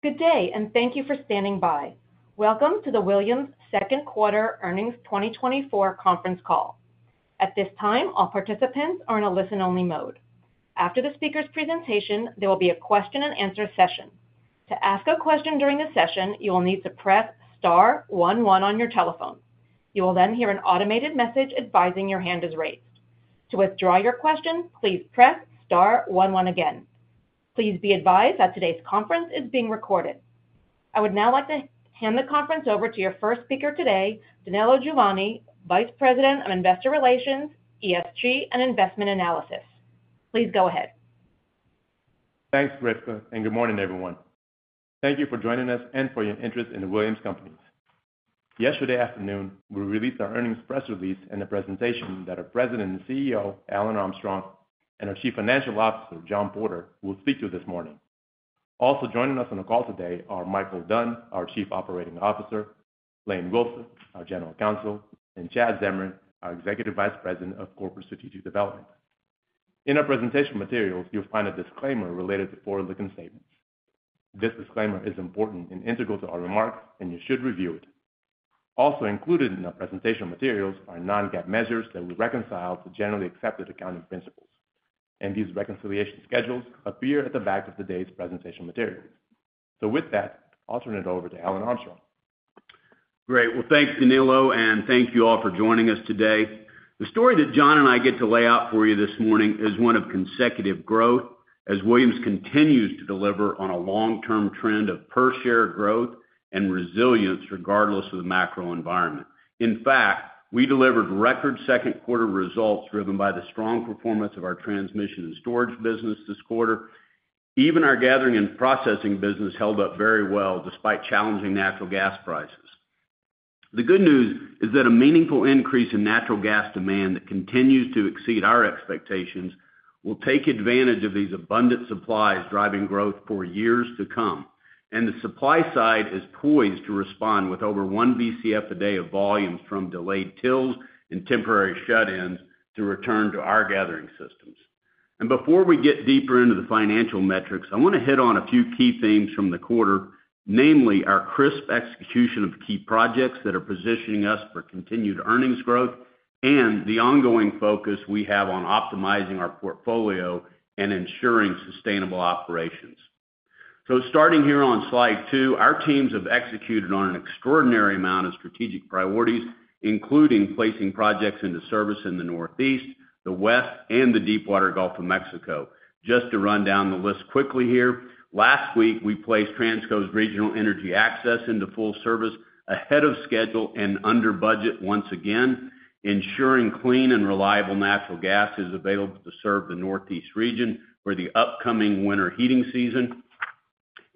Good day, and thank you for standing by. Welcome to the Williams Second Quarter Earnings 2024 Conference Call. At this time, all participants are in a listen-only mode. After the speaker's presentation, there will be a question-and-answer session. To ask a question during the session, you will need to press star one one on your telephone. You will then hear an automated message advising your hand is raised. To withdraw your question, please press star one one again. Please be advised that today's conference is being recorded. I would now like to hand the conference over to your first speaker today, Danilo Juvane, Vice President of Investor Relations, ESG, and Investment Analysis. Please go ahead. Thanks, Risa, and good morning, everyone. Thank you for joining us and for your interest in the Williams Companies. Yesterday afternoon, we released our earnings press release and a presentation that our President and CEO, Alan Armstrong, and our Chief Financial Officer, John Porter, will speak to this morning. Also joining us on the call today are Michael Dunn, our Chief Operating Officer, Lane Wilson, our General Counsel, and Chad Zamarin, our Executive Vice President of Corporate Strategic Development. In our presentation materials, you'll find a disclaimer related to forward-looking statements. This disclaimer is important and integral to our remarks, and you should review it. Also included in our presentation materials are non-GAAP measures that we reconcile to generally accepted accounting principles, and these reconciliation schedules appear at the back of today's presentation materials. So with that, I'll turn it over to Alan Armstrong. Great. Well, thanks, Danilo, and thank you all for joining us today. The story that John and I get to lay out for you this morning is one of consecutive growth, as Williams continues to deliver on a long-term trend of per-share growth and resilience, regardless of the macro environment. In fact, we delivered record second quarter results driven by the strong performance of our transmission and storage business this quarter. Even our gathering and processing business held up very well, despite challenging natural gas prices. The good news is that a meaningful increase in natural gas demand that continues to exceed our expectations will take advantage of these abundant supplies, driving growth for years to come, and the supply side is poised to respond with over 1 BCF a day of volumes from delayed TILs and temporary shut-ins to return to our gathering systems. Before we get deeper into the financial metrics, I want to hit on a few key themes from the quarter, namely, our crisp execution of key projects that are positioning us for continued earnings growth and the ongoing focus we have on optimizing our portfolio and ensuring sustainable operations. Starting here on slide two, our teams have executed on an extraordinary amount of strategic priorities, including placing projects into service in the Northeast, the West, and the Deepwater Gulf of Mexico. Just to run down the list quickly here, last week, we placed Transco's Regional Energy Access into full service ahead of schedule and under budget once again, ensuring clean and reliable natural gas is available to serve the Northeast region for the upcoming winter heating season.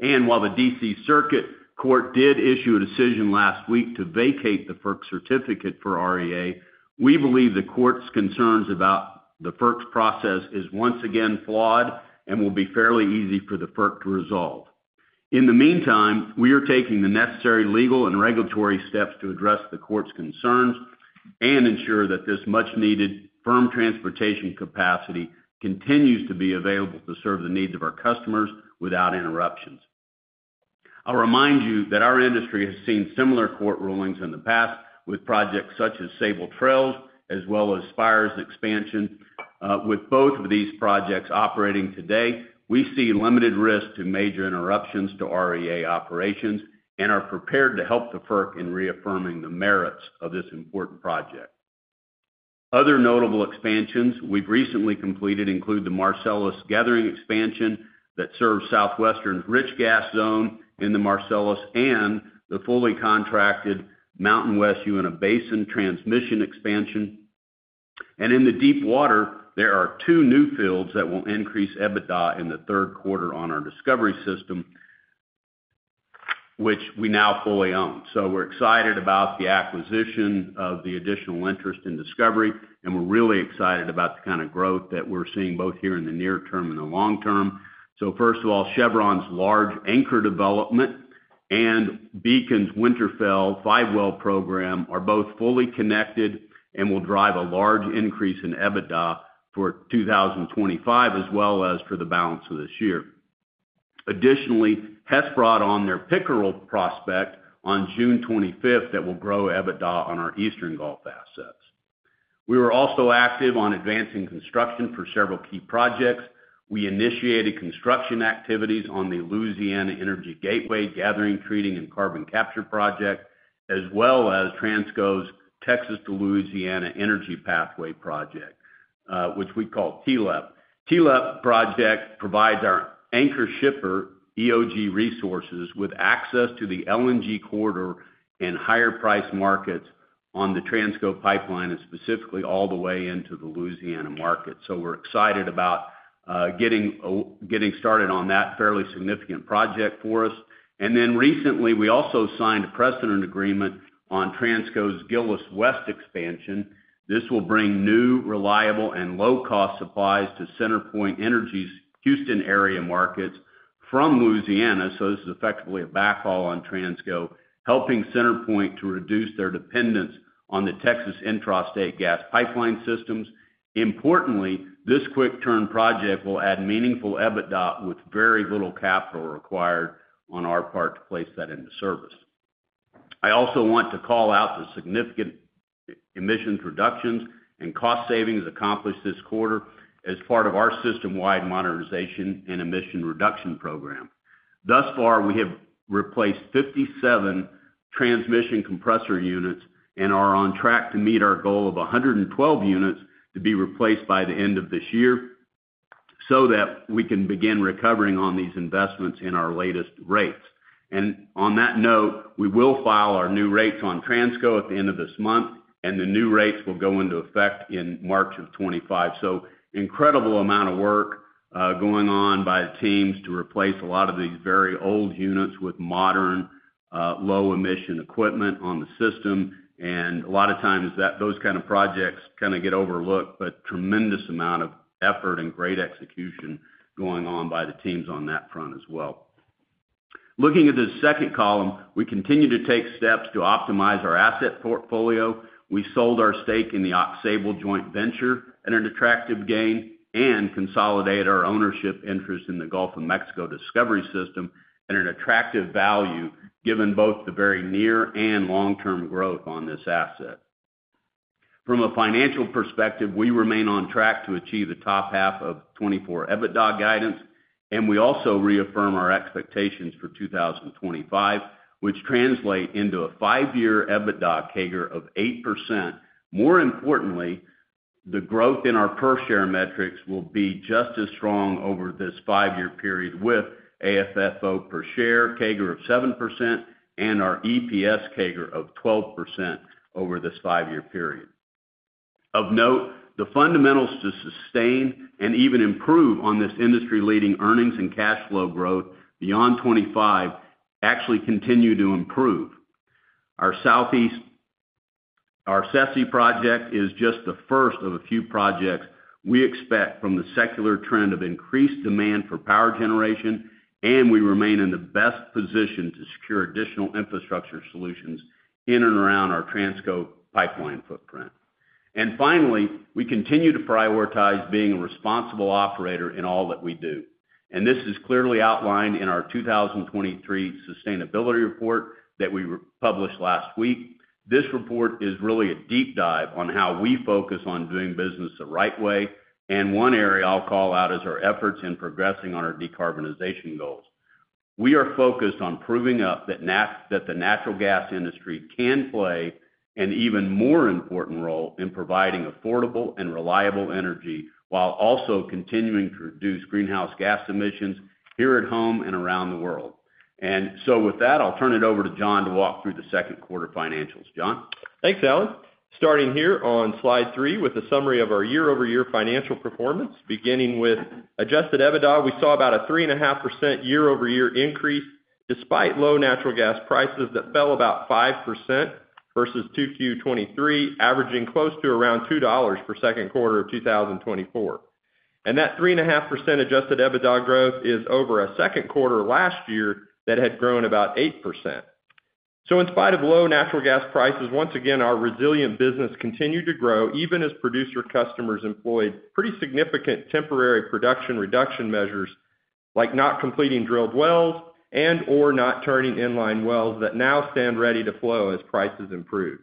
While the D.C. Circuit Court did issue a decision last week to vacate the FERC certificate for REA, we believe the court's concerns about the FERC's process is once again flawed and will be fairly easy for the FERC to resolve. In the meantime, we are taking the necessary legal and regulatory steps to address the court's concerns and ensure that this much-needed, firm transportation capacity continues to be available to serve the needs of our customers without interruptions. I'll remind you that our industry has seen similar court rulings in the past with projects such as Sabal Trail, as well as Spire's expansion. With both of these projects operating today, we see limited risk to major interruptions to REA operations and are prepared to help the FERC in reaffirming the merits of this important project. Other notable expansions we've recently completed include the Marcellus Gathering Expansion, that serves Southwestern's Rich Gas zone in the Marcellus, and the fully contracted MountainWest Uinta Basin Transmission Expansion. In the Deepwater, there are two new fields that will increase EBITDA in the third quarter on our Discovery system, which we now fully own. We're excited about the acquisition of the additional interest in Discovery, and we're really excited about the kind of growth that we're seeing, both here in the near term and the long term. First of all, Chevron's large Anchor development and Beacon's Winterfell five-well program are both fully connected and will drive a large increase in EBITDA for 2025, as well as for the balance of this year. Additionally, Hess brought on their Pickerel prospect on June 25th that will grow EBITDA on our Eastern Gulf assets. We were also active on advancing construction for several key projects. We initiated construction activities on the Louisiana Energy Gateway Gathering, Treating, and Carbon Capture project, as well as Transco's Texas to Louisiana Energy Pathway project, which we call TLEP. TLEP project provides our anchor shipper, EOG Resources, with access to the LNG corridor and higher priced markets on the Transco pipeline, and specifically all the way into the Louisiana market. So we're excited about getting started on that fairly significant project for us. And then recently, we also signed a precedent agreement on Transco's Gillis West expansion. This will bring new, reliable, and low-cost supplies to CenterPoint Energy's Houston area markets from Louisiana, so this is effectively a backhaul on Transco, helping CenterPoint to reduce their dependence on the Texas intrastate gas pipeline systems. Importantly, this quick-turn project will add meaningful EBITDA with very little capital required on our part to place that into service. I also want to call out the significant emissions reductions and cost savings accomplished this quarter as part of our system-wide modernization and emission reduction program. Thus far, we have replaced 57 transmission compressor units and are on track to meet our goal of 112 units to be replaced by the end of this year, so that we can begin recovering on these investments in our latest rates. And on that note, we will file our new rates on Transco at the end of this month, and the new rates will go into effect in March 2025. So incredible amount of work going on by the teams to replace a lot of these very old units with modern low-emission equipment on the system. A lot of times, those kind of projects kind of get overlooked, but tremendous amount of effort and great execution going on by the teams on that front as well. Looking at the second column, we continue to take steps to optimize our asset portfolio. We sold our stake in the Aux Sable joint venture at an attractive gain and consolidated our ownership interest in the Gulf of Mexico Discovery system at an attractive value, given both the very near and long-term growth on this asset. From a financial perspective, we remain on track to achieve the top half of 2024 EBITDA guidance, and we also reaffirm our expectations for 2025, which translate into a 5-year EBITDA CAGR of 8%. More importantly, the growth in our per-share metrics will be just as strong over this five-year period, with AFFO per share CAGR of 7% and our EPS CAGR of 12% over this five-year period. Of note, the fundamentals to sustain and even improve on this industry-leading earnings and cash flow growth beyond 25 actually continue to improve. Our Southeast- our SESE project is just the first of a few projects we expect from the secular trend of increased demand for power generation, and we remain in the best position to secure additional infrastructure solutions in and around our Transco pipeline footprint. And finally, we continue to prioritize being a responsible operator in all that we do. And this is clearly outlined in our 2023 sustainability report that we republished last week. This report is really a deep dive on how we focus on doing business the right way, and one area I'll call out is our efforts in progressing on our decarbonization goals. We are focused on proving up that the natural gas industry can play an even more important role in providing affordable and reliable energy, while also continuing to reduce greenhouse gas emissions here at home and around the world. And so with that, I'll turn it over to John to walk through the second quarter financials. John? Thanks, Alan. Starting here on slide 3 with a summary of our year-over-year financial performance. Beginning with adjusted EBITDA, we saw about a 3.5% year-over-year increase, despite low natural gas prices that fell about 5% versus 2Q-2023, averaging close to around $2 per second quarter of 2024. That 3.5% adjusted EBITDA growth is over a second quarter last year that had grown about 8%. In spite of low natural gas prices, once again, our resilient business continued to grow, even as producer customers employed pretty significant temporary production reduction measures, like not completing drilled wells and/or not turning inline wells that now stand ready to flow as prices improve.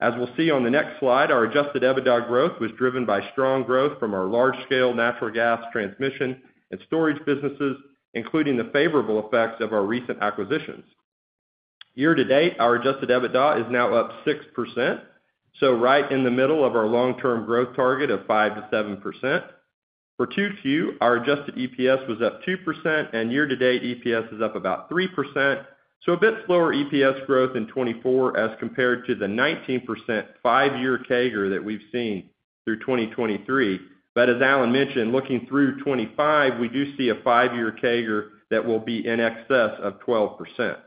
As we'll see on the next slide, our adjusted EBITDA growth was driven by strong growth from our large-scale natural gas transmission and storage businesses, including the favorable effects of our recent acquisitions. Year to date, our adjusted EBITDA is now up 6%, so right in the middle of our long-term growth target of 5%-7%. For 2Q, our adjusted EPS was up 2%, and year-to-date EPS is up about 3%, so a bit slower EPS growth in 2024 as compared to the 19% five-year CAGR that we've seen through 2023. But as Alan mentioned, looking through 2025, we do see a five-year CAGR that will be in excess of 12%.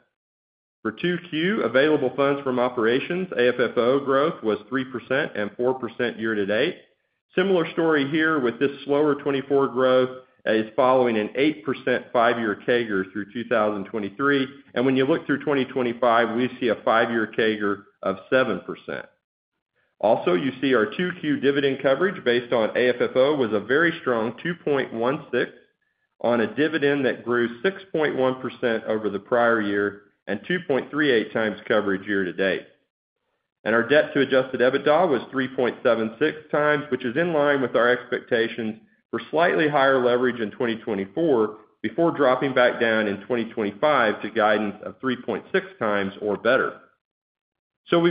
For 2Q, available funds from operations, AFFO growth, was 3% and 4% year to date. Similar story here with this slower 2024 growth is following an 8% five-year CAGR through 2023. And when you look through 2025, we see a five-year CAGR of 7%. Also, you see our 2Q dividend coverage based on AFFO was a very strong 2.16x on a dividend that grew 6.1% over the prior year and 2.38x coverage year to date. And our debt to adjusted EBITDA was 3.76x, which is in line with our expectations for slightly higher leverage in 2024, before dropping back down in 2025 to guidance of 3.6x or better. So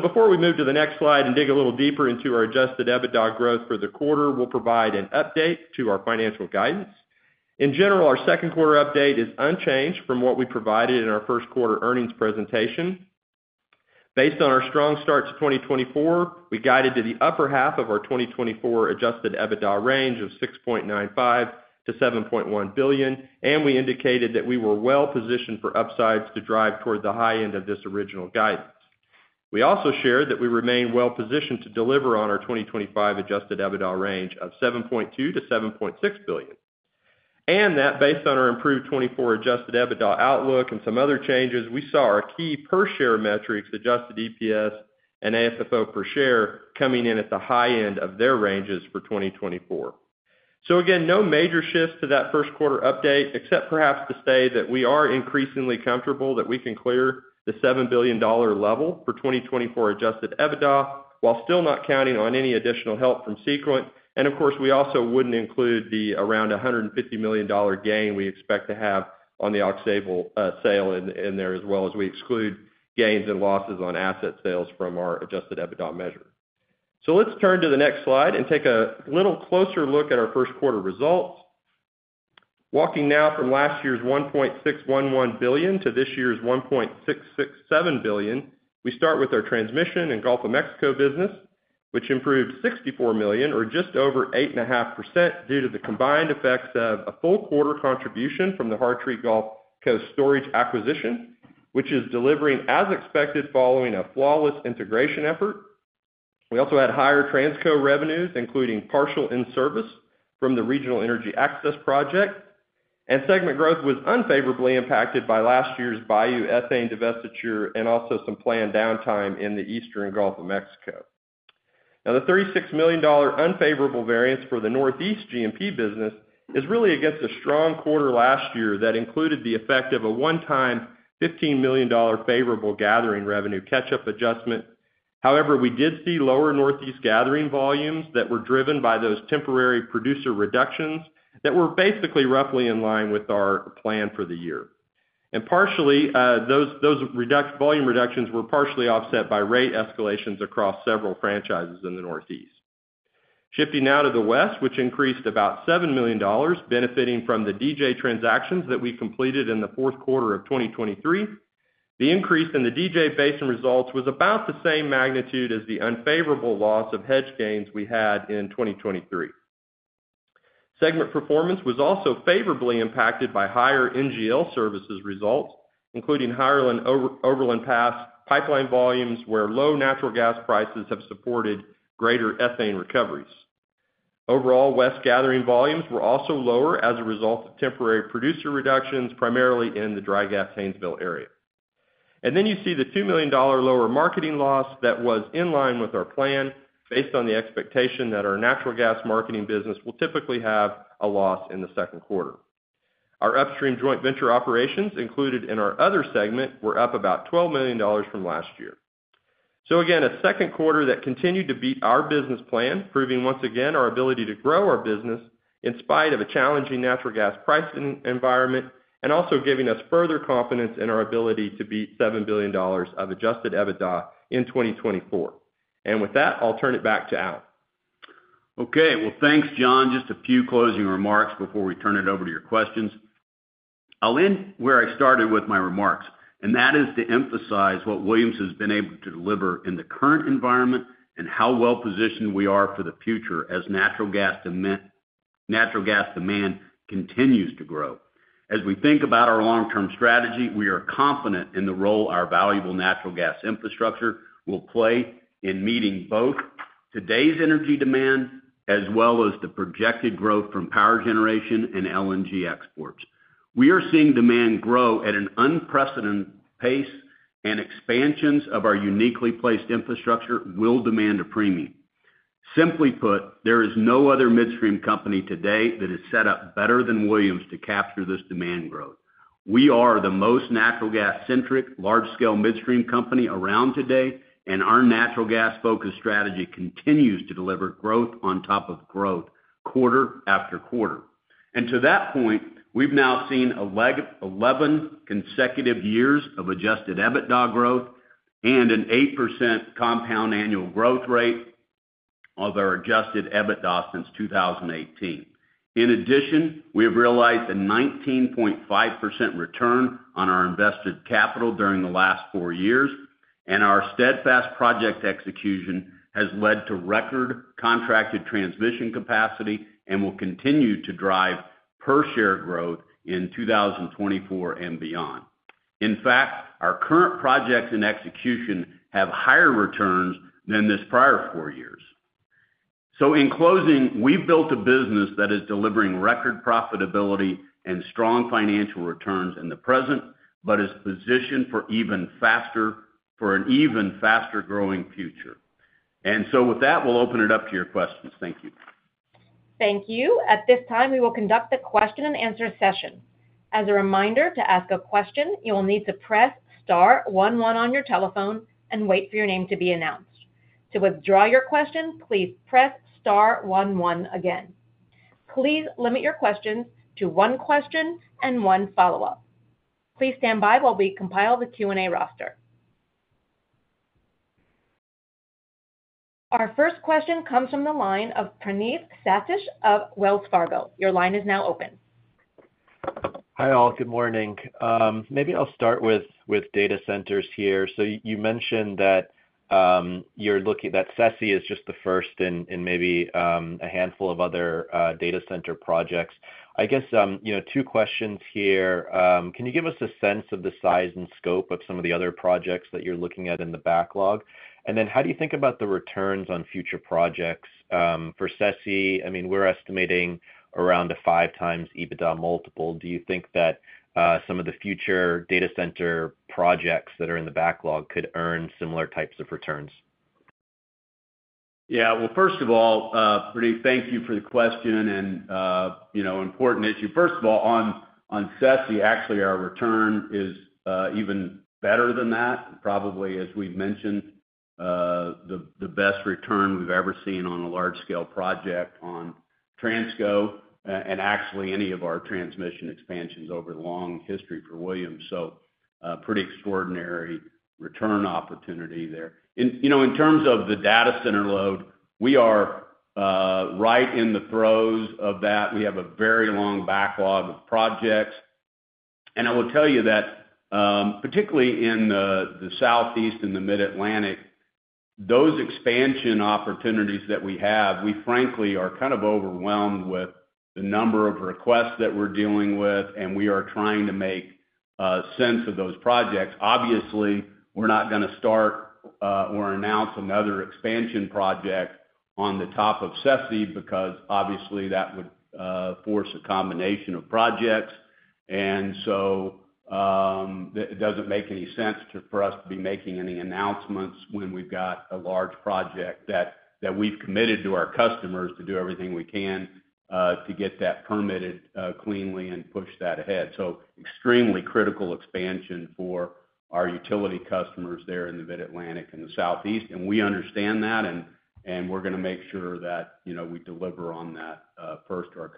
before we move to the next slide and dig a little deeper into our adjusted EBITDA growth for the quarter, we'll provide an update to our financial guidance. In general, our second quarter update is unchanged from what we provided in our first quarter earnings presentation. Based on our strong start to 2024, we guided to the upper half of our 2024 adjusted EBITDA range of $6.95-$7.1 billion, and we indicated that we were well positioned for upsides to drive toward the high end of this original guidance. We also shared that we remain well positioned to deliver on our 2025 adjusted EBITDA range of $7.2-$7.6 billion. And that based on our improved 2024 adjusted EBITDA outlook and some other changes, we saw our key per-share metrics, adjusted EPS and AFFO per share, coming in at the high end of their ranges for 2024.... So again, no major shifts to that first quarter update, except perhaps to say that we are increasingly comfortable that we can clear the $7 billion level for 2024 Adjusted EBITDA, while still not counting on any additional help from Sequent. And of course, we also wouldn't include the around $150 million gain we expect to have on the Aux Sable sale in there, as well as we exclude gains and losses on asset sales from our Adjusted EBITDA measure. So let's turn to the next slide and take a little closer look at our first quarter results. Walking now from last year's $1.611 billion to this year's $1.667 billion, we start with our transmission and Gulf of Mexico business, which improved $64 million, or just over 8.5%, due to the combined effects of a full quarter contribution from the Hartree Gulf Coast storage acquisition, which is delivering as expected following a flawless integration effort. We also had higher Transco revenues, including partial in-service from the Regional Energy Access Project, and segment growth was unfavorably impacted by last year's Bayou Ethane divestiture and also some planned downtime in the Eastern Gulf of Mexico. Now, the $36 million unfavorable variance for the Northeast GMP business is really against a strong quarter last year that included the effect of a one-time $15 million favorable gathering revenue catch-up adjustment. However, we did see lower Northeast gathering volumes that were driven by those temporary producer reductions that were basically roughly in line with our plan for the year. Partially, those volume reductions were partially offset by rate escalations across several franchises in the Northeast. Shifting now to the West, which increased about $7 million, benefiting from the DJ transactions that we completed in the fourth quarter of 2023. The increase in the DJ Basin results was about the same magnitude as the unfavorable loss of hedge gains we had in 2023. Segment performance was also favorably impacted by higher NGL Services results, including higher Overland Pass pipeline volumes, where low natural gas prices have supported greater ethane recoveries. Overall, West gathering volumes were also lower as a result of temporary producer reductions, primarily in the Dry Gas Haynesville area. And then you see the $2 million lower marketing loss that was in line with our plan, based on the expectation that our natural gas marketing business will typically have a loss in the second quarter. Our upstream joint venture operations, included in our other segment, were up about $12 million from last year. So again, a second quarter that continued to beat our business plan, proving once again our ability to grow our business in spite of a challenging natural gas pricing environment, and also giving us further confidence in our ability to beat $7 billion of adjusted EBITDA in 2024. And with that, I'll turn it back to Al. Okay. Well, thanks, John. Just a few closing remarks before we turn it over to your questions. I'll end where I started with my remarks, and that is to emphasize what Williams has been able to deliver in the current environment and how well positioned we are for the future as natural gas demand continues to grow. As we think about our long-term strategy, we are confident in the role our valuable natural gas infrastructure will play in meeting both today's energy demand as well as the projected growth from power generation and LNG exports. We are seeing demand grow at an unprecedented pace, and expansions of our uniquely placed infrastructure will demand a premium. Simply put, there is no other midstream company today that is set up better than Williams to capture this demand growth. We are the most natural gas-centric, large-scale midstream company around today, and our natural gas-focused strategy continues to deliver growth on top of growth quarter after quarter. To that point, we've now seen 11 consecutive years of Adjusted EBITDA growth and an 8% compound annual growth rate of our Adjusted EBITDA since 2018. In addition, we have realized a 19.5% return on our invested capital during the last four years, and our steadfast project execution has led to record contracted transmission capacity and will continue to drive per share growth in 2024 and beyond. In fact, our current projects in execution have higher returns than this prior four years. In closing, we've built a business that is delivering record profitability and strong financial returns in the present, but is positioned for an even faster-growing future. With that, we'll open it up to your questions. Thank you. Thank you. At this time, we will conduct the question-and-answer session. As a reminder, to ask a question, you will need to press star one one on your telephone and wait for your name to be announced. To withdraw your question, please press star one one again. Please limit your questions to one question and one follow-up. Please stand by while we compile the Q&A roster. Our first question comes from the line of Praneeth Satish of Wells Fargo. Your line is now open. Hi, all. Good morning. Maybe I'll start with data centers here. So you mentioned that you're looking that SESI is just the first in maybe a handful of other data center projects. I guess, you know, two questions here. Can you give us a sense of the size and scope of some of the other projects that you're looking at in the backlog? And then how do you think about the returns on future projects for SESI? I mean, we're estimating around a 5x EBITDA multiple. Do you think that some of the future data center projects that are in the backlog could earn similar types of returns? Yeah. Well, first of all, Praneeth, thank you for the question and, you know, important issue. First of all, on SESI, actually, our return is, even better than that, probably, as we've mentioned, the best return we've ever seen on a large-scale project on Transco, and actually, any of our transmission expansions over the long history for Williams. So, a pretty extraordinary return opportunity there. You know, in terms of the data center load, we are, right in the throes of that. We have a very long backlog of projects. And I will tell you that, particularly in the Southeast and the Mid-Atlantic, those expansion opportunities that we have, we frankly are kind of overwhelmed with the number of requests that we're dealing with, and we are trying to make, sense of those projects. Obviously, we're not going to start or announce another expansion project on the top of SESI, because, obviously, that would force a combination of projects. And so, it doesn't make any sense for us to be making any announcements when we've got a large project that, that we've committed to our customers to do everything we can to get that permitted cleanly and push that ahead. So extremely critical expansion for our utility customers there in the Mid-Atlantic and the Southeast, and we understand that, and, and we're going to make sure that, you know, we deliver on that first to our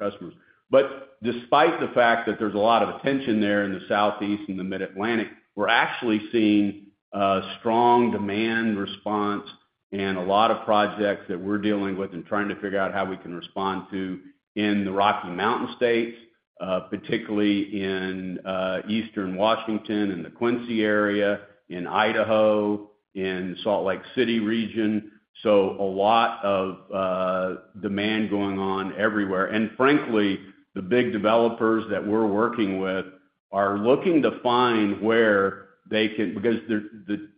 customers. But despite the fact that there's a lot of attention there in the Southeast and the Mid-Atlantic, we're actually seeing strong demand response and a lot of projects that we're dealing with and trying to figure out how we can respond to in the Rocky Mountain states, particularly in Eastern Washington, in the Quincy area, in Idaho, in Salt Lake City region. So a lot of demand going on everywhere. And frankly, the big developers that we're working with are looking to find where they can—because the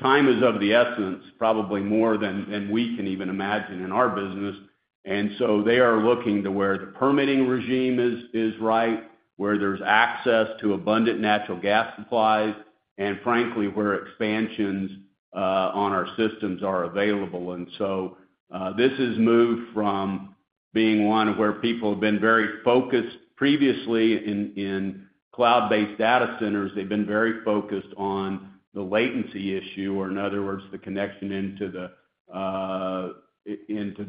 time is of the essence, probably more than we can even imagine in our business. And so they are looking to where the permitting regime is right, where there's access to abundant natural gas supplies, and frankly, where expansions on our systems are available. And so, this has moved from being one where people have been very focused previously in cloud-based data centers. They've been very focused on the latency issue, or in other words, the connection into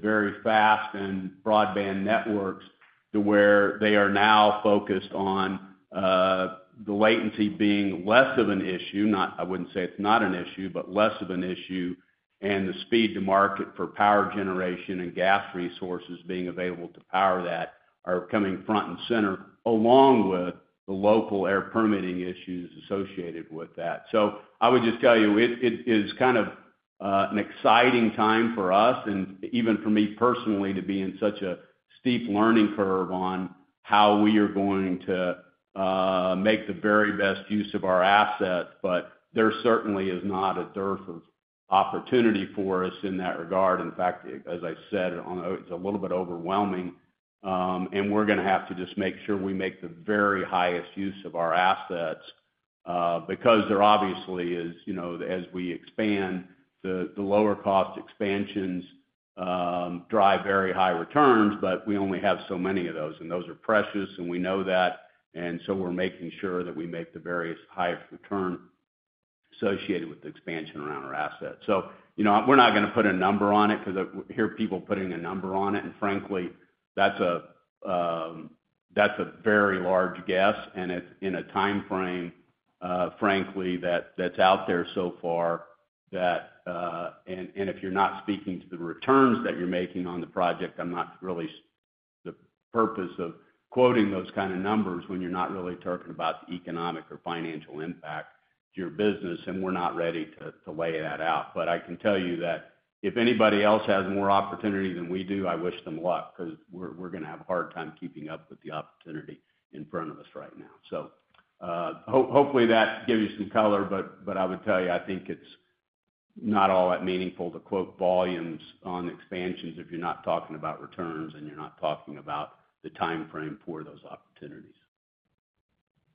very fast and broadband networks, to where they are now focused on the latency being less of an issue. Not—I wouldn't say it's not an issue, but less of an issue, and the speed to market for power generation and gas resources being available to power that are coming front and center, along with the local air permitting issues associated with that. So I would just tell you, it is kind of an exciting time for us and even for me personally, to be in such a steep learning curve on how we are going to make the very best use of our assets. But there certainly is not a dearth of opportunity for us in that regard. In fact, as I said, it's a little bit overwhelming, and we're going to have to just make sure we make the very highest use of our assets, because there obviously is, you know, as we expand the lower cost expansions, drive very high returns, but we only have so many of those, and those are precious, and we know that. So we're making sure that we make the various highest return associated with the expansion around our assets. So, you know, we're not going to put a number on it because I hear people putting a number on it, and frankly, that's a very large guess, and it's in a time frame, frankly, that that's out there so far that... And if you're not speaking to the returns that you're making on the project, I'm not really the purpose of quoting those kind of numbers when you're not really talking about the economic or financial impact to your business, and we're not ready to lay that out. But I can tell you that if anybody else has more opportunity than we do, I wish them luck, because we're going to have a hard time keeping up with the opportunity in front of us right now. So, hopefully, that gives you some color, but I would tell you, I think it's not all that meaningful to quote volumes on expansions if you're not talking about returns and you're not talking about the time frame for those opportunities.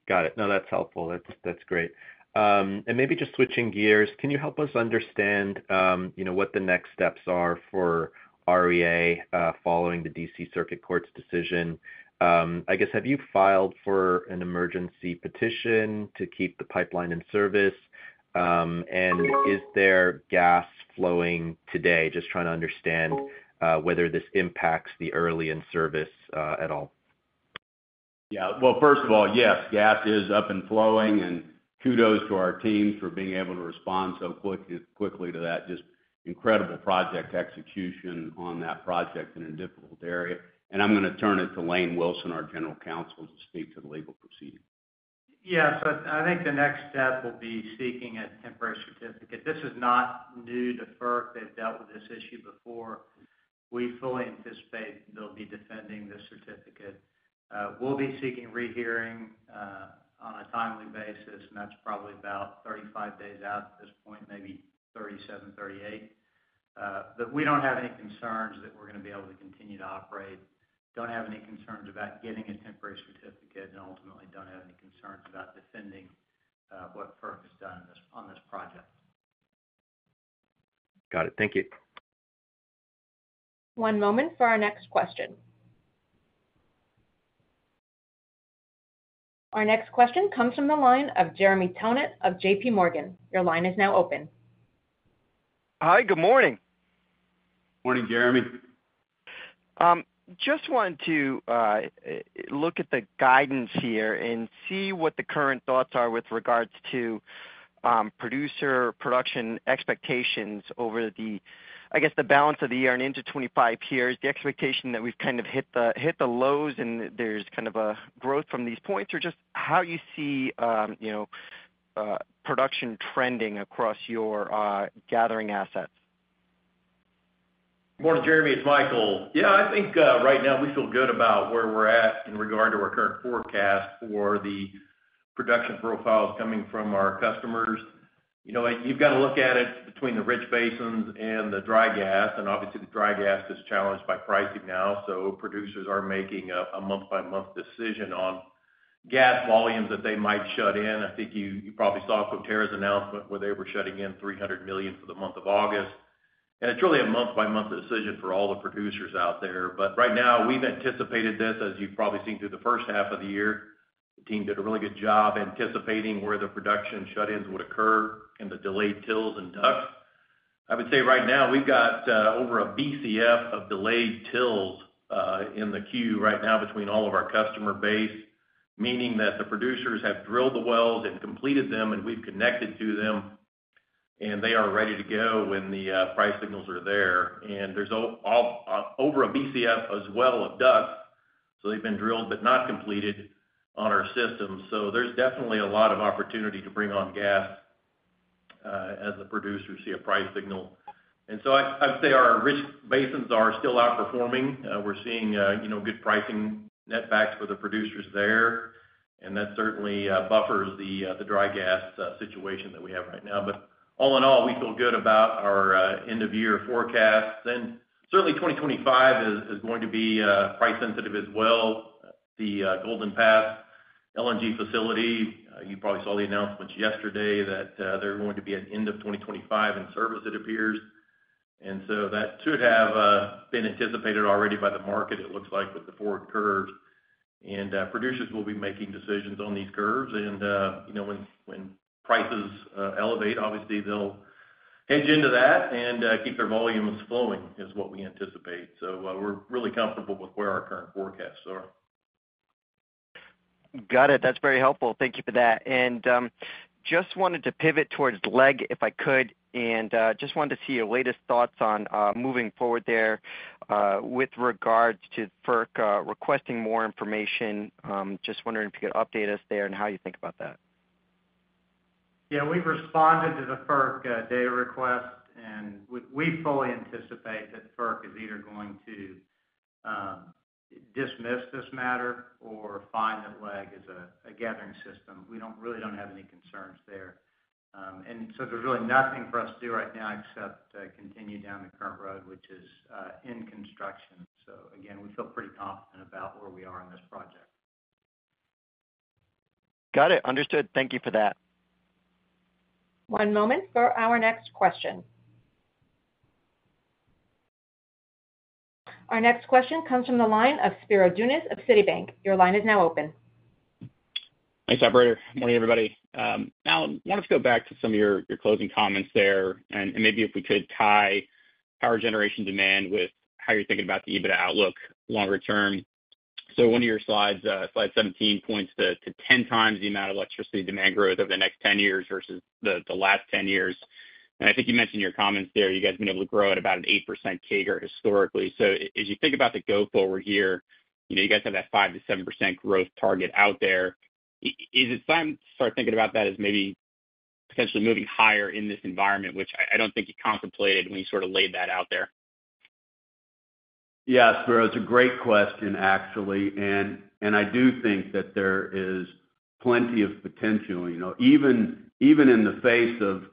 Got it. No, that's helpful. That's, that's great. And maybe just switching gears, can you help us understand, you know, what the next steps are for REA, following the D.C. Circuit Court's decision? I guess, have you filed for an emergency petition to keep the pipeline in service? And is there gas flowing today? Just trying to understand, whether this impacts the early in-service, at all. Yeah. Well, first of all, yes, gas is up and flowing, and kudos to our teams for being able to respond so quickly to that. Just incredible project execution on that project in a difficult area. And I'm going to turn it to Lane Wilson, our General Counsel, to speak to the legal proceeding. Yes, I think the next step will be seeking a temporary certificate. This is not new to FERC. They've dealt with this issue before. We fully anticipate they'll be defending this certificate. We'll be seeking rehearing on a timely basis, and that's probably about 35 days out at this point, maybe 37, 38. But we don't have any concerns that we're going to be able to continue to operate.... We don't have any concerns about getting a temporary certificate, and ultimately, don't have any concerns about defending what FERC has done in this—on this project. Got it. Thank you. One moment for our next question. Our next question comes from the line of Jeremy Tonet of JPMorgan. Your line is now open. Hi, good morning. Morning, Jeremy. Just wanted to look at the guidance here and see what the current thoughts are with regards to producer production expectations over the, I guess, the balance of the year and into 25 here. Is the expectation that we've kind of hit the lows, and there's kind of a growth from these points? Or just how you see, you know, production trending across your gathering assets. Morning, Jeremy, it's Michael. Yeah, I think right now we feel good about where we're at in regard to our current forecast for the production profiles coming from our customers. You know, and you've got to look at it between the rich basins and the dry gas, and obviously, the dry gas is challenged by pricing now. So producers are making up a month-by-month decision on gas volumes that they might shut in. I think you, you probably saw Coterra's announcement, where they were shutting in 300 million for the month of August. And it's really a month-by-month decision for all the producers out there. But right now, we've anticipated this, as you've probably seen through the first half of the year. The team did a really good job anticipating where the production shut-ins would occur and the delayed TILs and DUCs. I would say right now, we've got over 1 BCF of delayed TILs in the queue right now between all of our customer base, meaning that the producers have drilled the wells and completed them, and we've connected to them, and they are ready to go when the price signals are there. And there's all over 1 BCF as well of DUCs, so they've been drilled but not completed on our system. So there's definitely a lot of opportunity to bring on gas as the producers see a price signal. And so I, I'd say our rich basins are still outperforming. We're seeing you know, good pricing netbacks for the producers there, and that certainly buffers the dry gas situation that we have right now. But all in all, we feel good about our end-of-year forecasts. And certainly, 2025 is going to be price sensitive as well. The Golden Pass LNG facility, you probably saw the announcements yesterday that they're going to be at end of 2025 in service, it appears. And so that should have been anticipated already by the market, it looks like, with the forward curves. And producers will be making decisions on these curves. And you know, when prices elevate, obviously, they'll hedge into that and keep their volumes flowing, is what we anticipate. So we're really comfortable with where our current forecasts are. Got it. That's very helpful. Thank you for that. Just wanted to pivot towards LEG, if I could, and just wanted to see your latest thoughts on moving forward there with regards to FERC requesting more information. Just wondering if you could update us there and how you think about that. Yeah, we've responded to the FERC data request, and we fully anticipate that FERC is either going to dismiss this matter or find that LEG is a gathering system. We don't really have any concerns there. And so there's really nothing for us to do right now except continue down the current road, which is in construction. So again, we feel pretty confident about where we are in this project. Got it. Understood. Thank you for that. One moment for our next question. Our next question comes from the line of Spiro Dounis of Citibank. Your line is now open. Thanks, operator. Morning, everybody. Alan, wanted to go back to some of your, your closing comments there, and maybe if we could tie power generation demand with how you're thinking about the EBITDA outlook longer term. So one of your slides, slide 17, points to 10 times the amount of electricity demand growth over the next 10 years versus the last 10 years. And I think you mentioned in your comments there, you guys have been able to grow at about an 8% CAGR historically. So as you think about the go forward here, you know, you guys have that 5%-7% growth target out there. Is it time to start thinking about that as maybe potentially moving higher in this environment, which I don't think you contemplated when you sort of laid that out there? Yeah, Spiro, it's a great question, actually, and I do think that there is plenty of potential, you know, even in the face of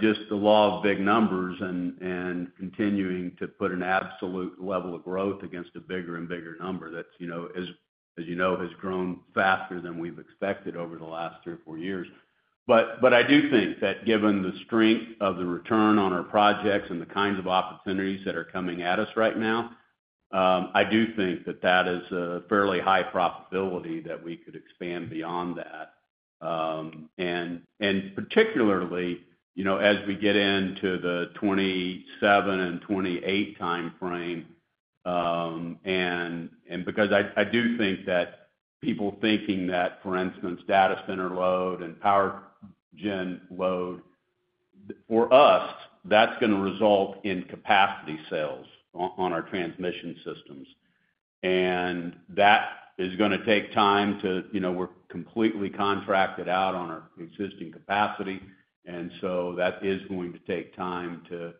just the law of big numbers and continuing to put an absolute level of growth against a bigger and bigger number that's, you know, as you know, has grown faster than we've expected over the last three or four years. But I do think that given the strength of the return on our projects and the kinds of opportunities that are coming at us right now, I do think that that is a fairly high profitability that we could expand beyond that. and, and particularly, you know, as we get into the 2027 and 2028 timeframe, and, and because I, I do think that people thinking that, for instance, data center load and power gen load, for us, that's going to result in capacity sales on, on our transmission systems. And that is gonna take time to, you know, we're completely contracted out on our existing capacity, and so that is going to take time to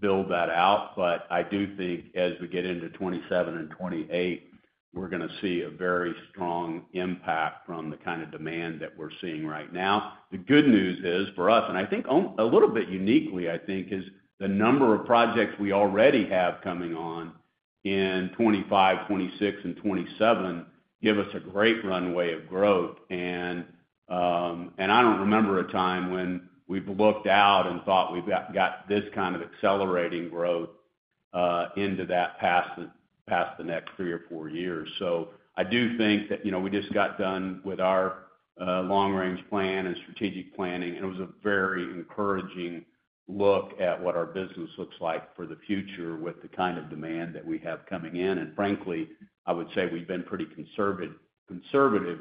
build that out. But I do think as we get into 2027 and 2028, we're going to see a very strong impact from the kind of demand that we're seeing right now. The good news is, for us, and a little bit uniquely, I think, is the number of projects we already have coming on in 2025, 2026, and 2027, give us a great runway of growth. And, and I don't remember a time when we've looked out and thought we've got this kind of accelerating growth into that past the next three or four years. So I do think that, you know, we just got done with our long-range plan and strategic planning, and it was a very encouraging look at what our business looks like for the future with the kind of demand that we have coming in. And frankly, I would say we've been pretty conservative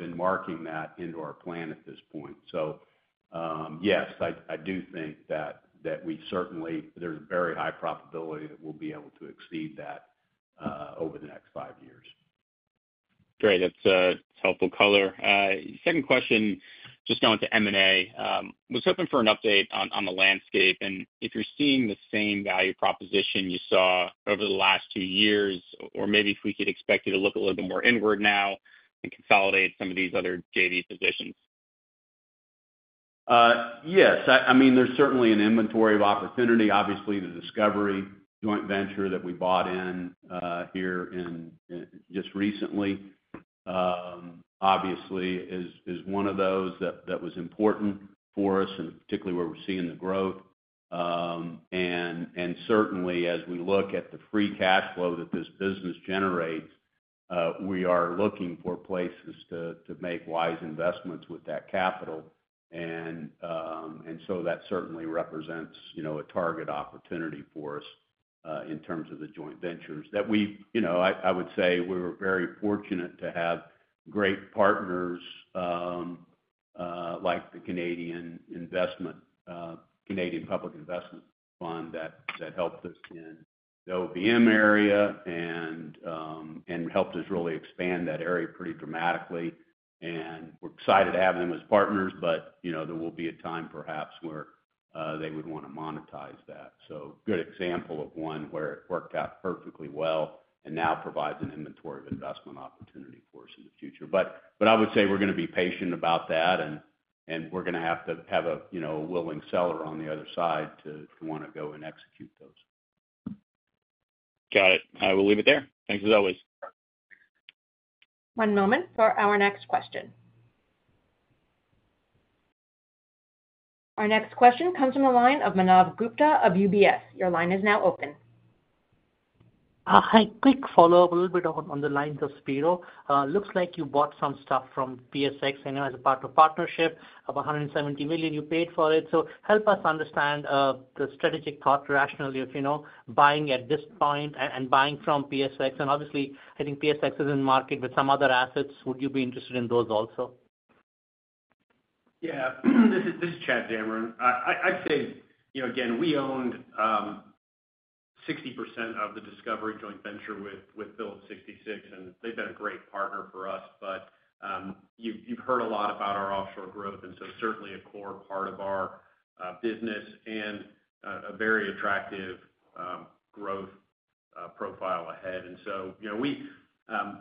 in marking that into our plan at this point. So, yes, I do think that we certainly. There's a very high probability that we'll be able to exceed that over the next five years. Great. That's a helpful color. Second question, just going to M&A. Was hoping for an update on the landscape, and if you're seeing the same value proposition you saw over the last two years, or maybe if we could expect you to look a little bit more inward now and consolidate some of these other JV positions? Yes. I mean, there's certainly an inventory of opportunity. Obviously, the Discovery joint venture that we bought in here just recently is one of those that was important for us, and particularly where we're seeing the growth. And certainly, as we look at the free cash flow that this business generates, we are looking for places to make wise investments with that capital. And so that certainly represents, you know, a target opportunity for us in terms of the joint ventures. You know, I would say we're very fortunate to have great partners like the Canadian Public Investment Fund that helped us in the OVM area and helped us really expand that area pretty dramatically. And we're excited to have them as partners, but, you know, there will be a time, perhaps, where they would want to monetize that. So good example of one where it worked out perfectly well and now provides an inventory of investment opportunity for us in the future. But I would say we're going to be patient about that, and we're going to have to have a, you know, a willing seller on the other side to want to go and execute those. Got it. I will leave it there. Thanks as always. One moment for our next question. Our next question comes from the line of Manav Gupta of UBS. Your line is now open. Hi, quick follow-up, a little bit on, on the lines of Spiro. Looks like you bought some stuff from PSX, I know as a part of partnership of $170 million, you paid for it. So help us understand, the strategic thought rationally, you know, buying at this point and, and buying from PSX, and obviously, I think PSX is in market with some other assets. Would you be interested in those also? Yeah, this is Chad Zamarin. I'd say, you know, again, we owned 60% of the Discovery joint venture with Phillips 66, and they've been a great partner for us. But you've heard a lot about our offshore growth, and so certainly a core part of our business and a very attractive growth profile ahead. And so, you know,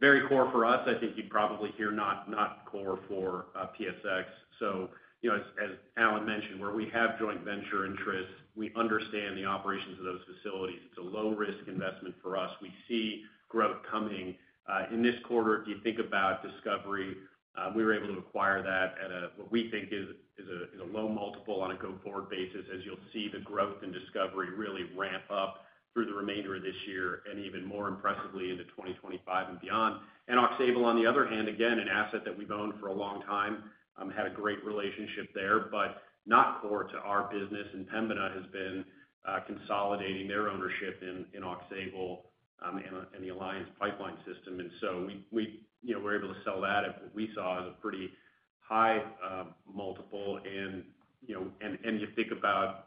very core for us, I think you'd probably hear not core for PSX. So, you know, as Alan mentioned, where we have joint venture interests, we understand the operations of those facilities. It's a low-risk investment for us. We see growth coming. In this quarter, if you think about Discovery, we were able to acquire that at what we think is a low multiple on a go-forward basis, as you'll see the growth in Discovery really ramp up through the remainder of this year and even more impressively into 2025 and beyond. And Aux Sable, on the other hand, again, an asset that we've owned for a long time, had a great relationship there, but not core to our business. And Pembina has been consolidating their ownership in Aux Sable and the Alliance Pipeline system. And so we, you know, we're able to sell that at what we saw as a pretty high multiple. You know, you think about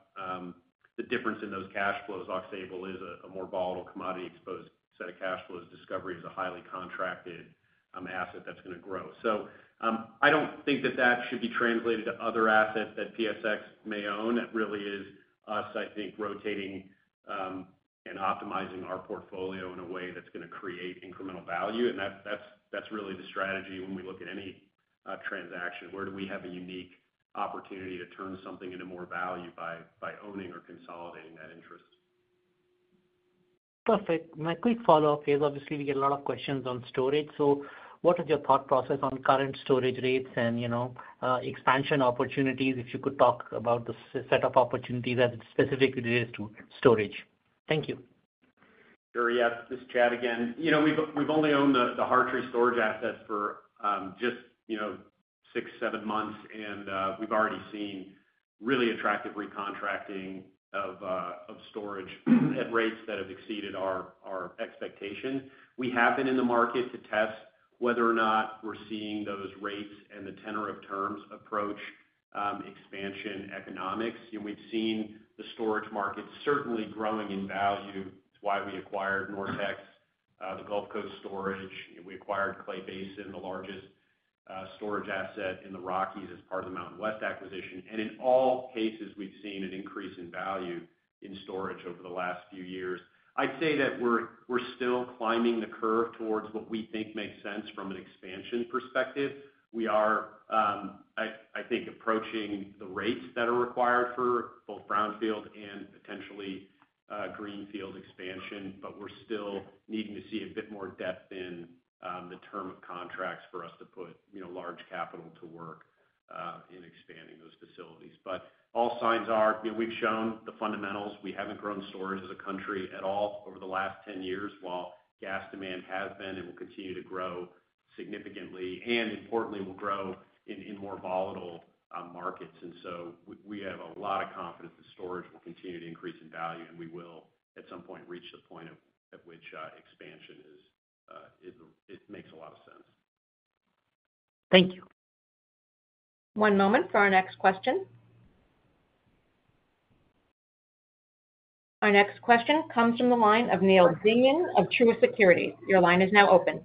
the difference in those cash flows. Aux Sable is a more volatile commodity-exposed set of cash flows. Discovery is a highly contracted asset that's going to grow. So, I don't think that that should be translated to other assets that PSX may own. It really is us, I think, rotating and optimizing our portfolio in a way that's going to create incremental value. And that's really the strategy when we look at any transaction. Where do we have a unique opportunity to turn something into more value by owning or consolidating that interest? Perfect. My quick follow-up is, obviously, we get a lot of questions on storage. So what is your thought process on current storage rates and, you know, expansion opportunities, if you could talk about the set of opportunities as it specifically relates to storage? Thank you. Sure, yeah. This is Chad again. You know, we've only owned the Peachtree storage assets for just you know six seven months, and we've already seen really attractive recontracting of storage at rates that have exceeded our expectation. We have been in the market to test whether or not we're seeing those rates and the tenor of terms approach expansion economics. And we've seen the storage market certainly growing in value. It's why we acquired NorTex, the Gulf Coast Storage, and we acquired Clay Basin, the largest storage asset in the Rockies as part of the MountainWest acquisition. And in all cases, we've seen an increase in value in storage over the last few years. I'd say that we're still climbing the curve towards what we think makes sense from an expansion perspective. We are, I think, approaching the rates that are required for both brownfield and potentially greenfield expansion, but we're still needing to see a bit more depth in the term of contracts for us to put, you know, large capital to work in expanding those facilities. But all signs are—we've shown the fundamentals. We haven't grown storage as a country at all over the last 10 years, while gas demand has been and will continue to grow significantly, and importantly, will grow in more volatile markets. And so we have a lot of confidence that storage will continue to increase in value, and we will, at some point, reach the point at which expansion is it makes a lot of sense. Thank you. One moment for our next question. Our next question comes from the line of Neal Dingman of Truist Securities. Your line is now open.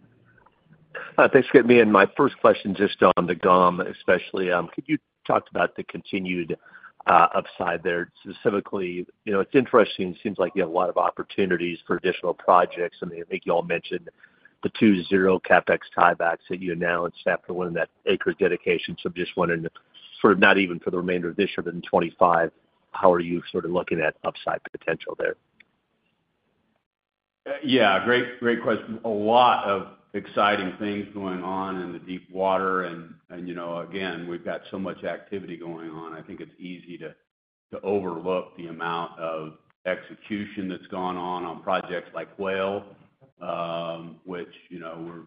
Thanks for getting me in. My first question, just on the GOM, especially, could you talk about the continued upside there? Specifically, you know, it's interesting, it seems like you have a lot of opportunities for additional projects, and I think you all mentioned the two zero CapEx tiebacks that you announced after winning that Acre dedication. So just wondering, for not even for the remainder of this year, but in 2025, how are you sort of looking at upside potential there? Yeah, great, great question. A lot of exciting things going on in the Deepwater. And you know, again, we've got so much activity going on, I think it's easy to overlook the amount of execution that's gone on, on projects like Whale, which, you know,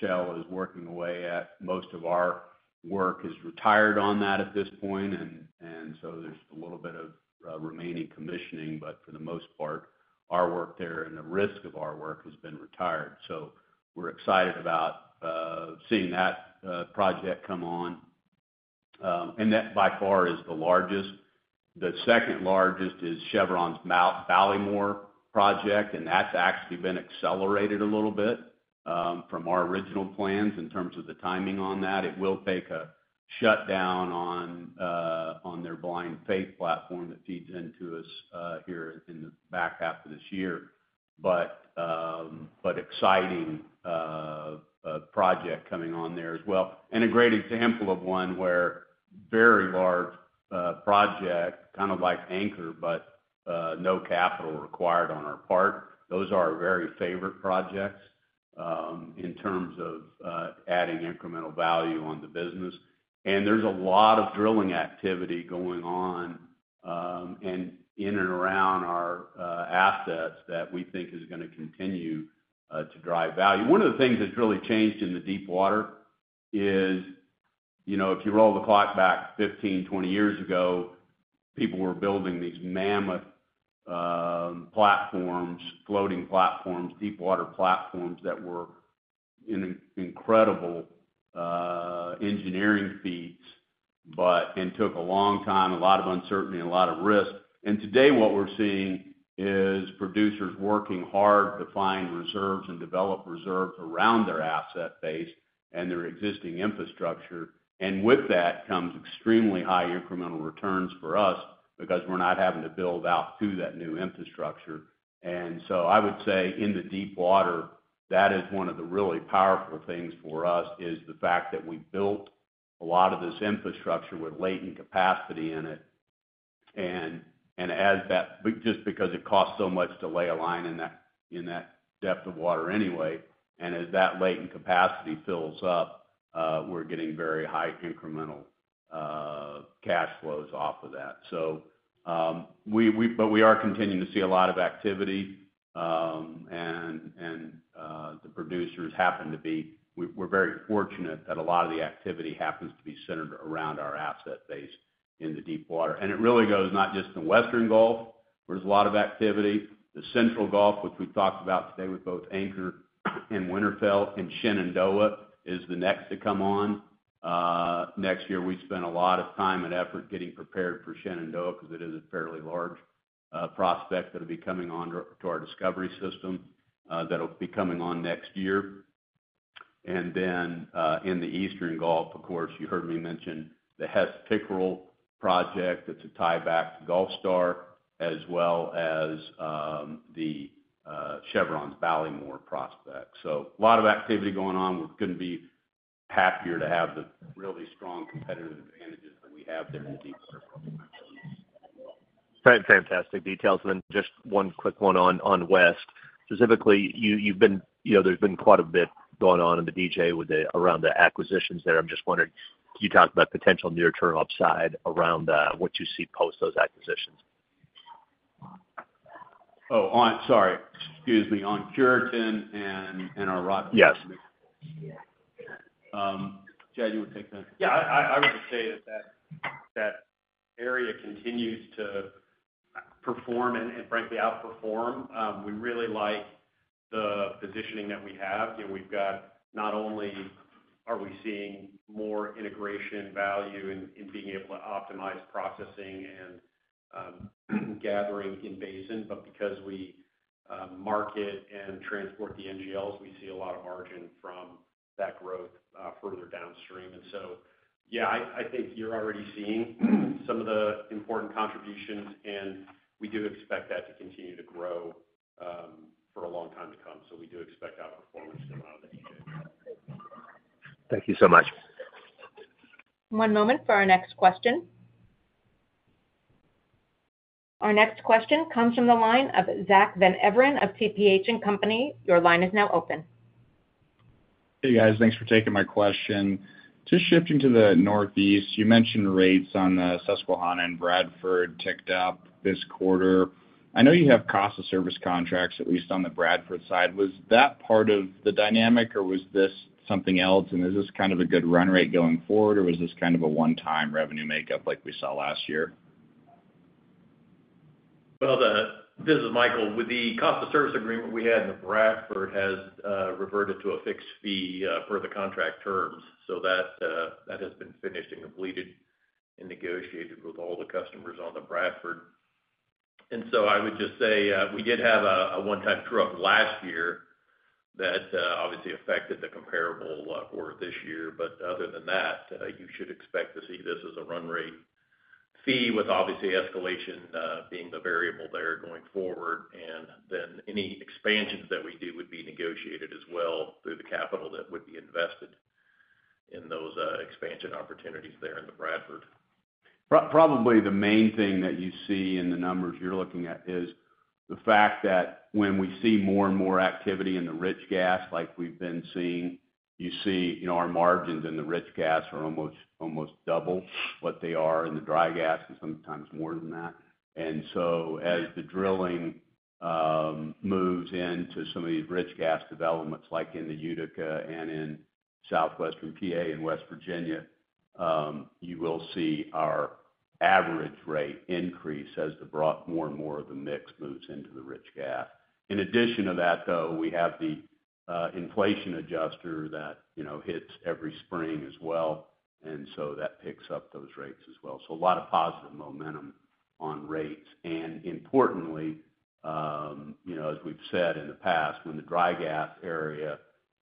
Shell is working away at. Most of our work is retired on that at this point, and so there's a little bit of remaining commissioning, but for the most part, our work there and the risk of our work has been retired. So we're excited about seeing that project come on. And that, by far, is the largest. The second largest is Chevron's Ballymore project, and that's actually been accelerated a little bit from our original plans in terms of the timing on that. It will take a shutdown on their Blind Faith platform that feeds into us here in the back half of this year. But exciting project coming on there as well. And a great example of one where very large project, kind of like Anchor, but no capital required on our part. Those are our very favorite projects in terms of adding incremental value on the business. And there's a lot of drilling activity going on and in and around our assets that we think is gonna continue to drive value. One of the things that's really changed in the Deepwater is, you know, if you roll the clock back 15, 20 years ago, people were building these mammoth platforms, floating platforms, Deepwater platforms, that were incredible engineering feats, but and took a long time, a lot of uncertainty, and a lot of risk. Today, what we're seeing is producers working hard to find reserves and develop reserves around their asset base and their existing infrastructure. And with that, comes extremely high incremental returns for us because we're not having to build out to that new infrastructure. And so I would say in the Deepwater, that is one of the really powerful things for us, is the fact that we built a lot of this infrastructure with latent capacity in it. But just because it costs so much to lay a line in that depth of water anyway, and as that latent capacity fills up, we're getting very high incremental cash flows off of that. So, we are continuing to see a lot of activity, and the producers happen to be... We're very fortunate that a lot of the activity happens to be centered around our asset base in the Deepwater. And it really goes not just in the Western Gulf, where there's a lot of activity, the Central Gulf, which we've talked about today, with both Anchor and Winterfell and Shenandoah, is the next to come on next year. We spent a lot of time and effort getting prepared for Shenandoah because it is a fairly large prospect that'll be coming onto our Discovery system that'll be coming on next year. And then in the Eastern Gulf, of course, you heard me mention the Hess Pickerel project. It's a tieback to Gulfstar, as well as the Chevron's Ballymore prospect. So a lot of activity going on. We couldn't be happier to have the really strong competitive advantages that we have there in Deepwater. Fantastic details. And then just one quick one on West. Specifically, you've been, you know, there's been quite a bit going on in the DJ with the around the acquisitions there. I'm just wondering, can you talk about potential near-term upside around what you see post those acquisitions? Oh, sorry. Excuse me, on Cureton and our Rock- Yes. Chad, you want to take that? Yeah, I would just say that area continues to perform and frankly outperform. We really like the positioning that we have. You know, we've got not only are we seeing more integration value in being able to optimize processing and gathering in basin, but because we market and transport the NGLs, we see a lot of margin from that growth further downstream. And so, yeah, I think you're already seeing some of the important contributions, and we do expect that to continue to grow for a long time to come. So we do expect our performance to go out this year. Thank you so much. One moment for our next question. Our next question comes from the line of Zack Van Everen of TPH & Co. Your line is now open. Hey, guys. Thanks for taking my question. Just shifting to the Northeast, you mentioned rates on the Susquehanna and Bradford ticked up this quarter. I know you have cost of service contracts, at least on the Bradford side. Was that part of the dynamic, or was this something else? And is this kind of a good run rate going forward, or was this kind of a one-time revenue makeup like we saw last year? Well, this is Michael. With the cost of service agreement we had in the Bradford has reverted to a fixed fee per the contract terms. So that has been finished and completed and negotiated with all the customers on the Bradford. And so I would just say we did have a one-time drop last year that obviously affected the comparable for this year. But other than that, you should expect to see this as a run rate fee with obviously escalation being the variable there going forward. And then any expansions that we do would be negotiated as well through the capital that would be invested in those expansion opportunities there in the Bradford. Probably the main thing that you see in the numbers you're looking at is the fact that when we see more and more activity in the rich gas, like we've been seeing, you know, our margins in the rich gas are almost, almost double what they are in the dry gas, and sometimes more than that. And so as the drilling moves into some of these rich gas developments, like in the Utica and in Southwestern PA and West Virginia, you will see our average rate increase as more and more of the mix moves into the rich gas. In addition to that, though, we have the inflation adjuster that, you know, hits every spring as well, and so that picks up those rates as well. So a lot of positive momentum on rates. Importantly, you know, as we've said in the past, when the dry gas area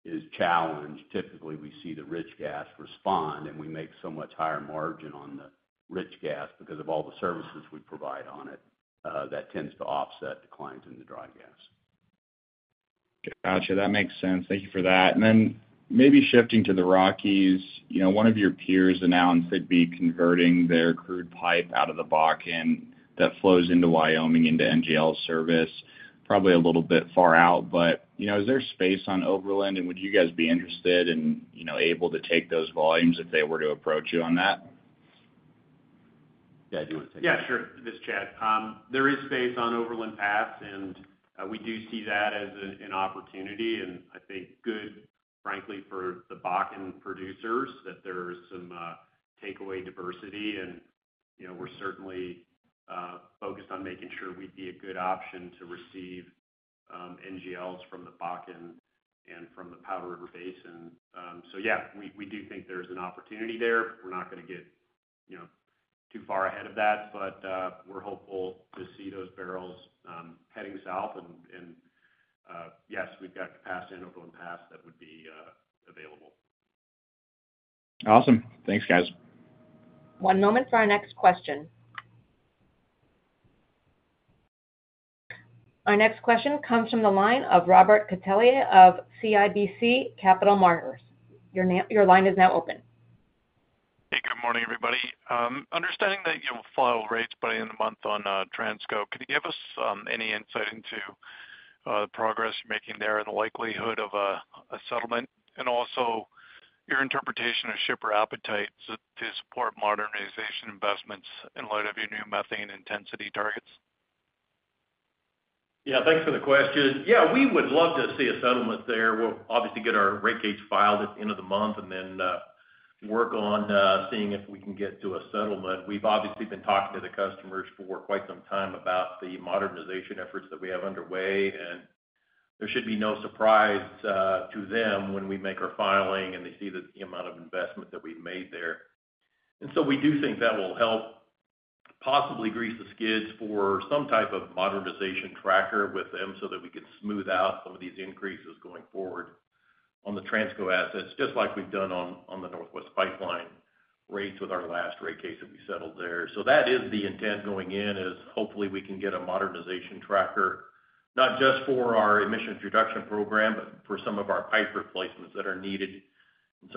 is challenged, typically we see the rich gas respond, and we make so much higher margin on the rich gas because of all the services we provide on it, that tends to offset declines in the dry gas. Gotcha, that makes sense. Thank you for that. And then maybe shifting to the Rockies. You know, one of your peers announced they'd be converting their crude pipe out of the Bakken that flows into Wyoming into NGL service. Probably a little bit far out, but, you know, is there space on Overland, and would you guys be interested and, you know, able to take those volumes if they were to approach you on that? Yeah, do you want to take that? Yeah, sure. This is Chad. There is space on Overland Pass, and we do see that as an opportunity, and I think good, frankly, for the Bakken producers, that there's some takeaway diversity. And, you know, we're certainly focused on making sure we'd be a good option to receive NGLs from the Bakken and from the Powder River Basin. So yeah, we do think there's an opportunity there. We're not gonna get, you know, too far ahead of that, but we're hopeful to see those barrels heading south. And yes, we've got capacity in Overland Pass that would be available. Awesome. Thanks, guys. One moment for our next question. Our next question comes from the line of Robert Catellier of CIBC Capital Markets. Your line is now open. Hey, good morning, everybody. Understanding that you'll file rates by the end of the month on Transco, could you give us any insight into the progress you're making there and the likelihood of a settlement? And also, your interpretation of shipper appetites to support modernization investments in light of your new methane intensity targets. Yeah, thanks for the question. Yeah, we would love to see a settlement there. We'll obviously get our rate case filed at the end of the month and then, work on, seeing if we can get to a settlement. We've obviously been talking to the customers for quite some time about the modernization efforts that we have underway, and there should be no surprise, to them when we make our filing and they see the, the amount of investment that we've made there. And so we do think that will help possibly grease the skids for some type of modernization tracker with them, so that we can smooth out some of these increases going forward on the Transco assets, just like we've done on, on the Northwest Pipeline rates with our last rate case that we settled there. So that is the intent going in, is hopefully we can get a modernization tracker, not just for our emissions reduction program, but for some of our pipe replacements that are needed in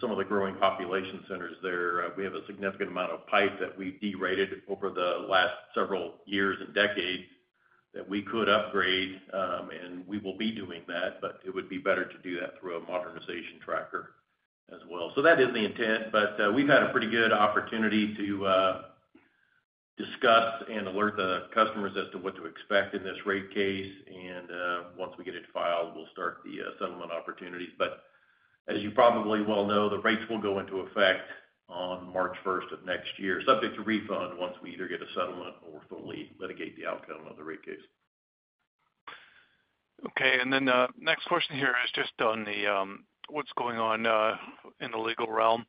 some of the growing population centers there. We have a significant amount of pipe that we've derated over the last several years and decades that we could upgrade, and we will be doing that, but it would be better to do that through a modernization tracker as well. So that is the intent, but we've had a pretty good opportunity to discuss and alert the customers as to what to expect in this rate case. Once we get it filed, we'll start the settlement opportunities. But as you probably well know, the rates will go into effect on March 1st of next year, subject to refund once we either get a settlement or fully litigate the outcome of the rate case. Okay, and then, next question here is just on the, what's going on, in the legal realm....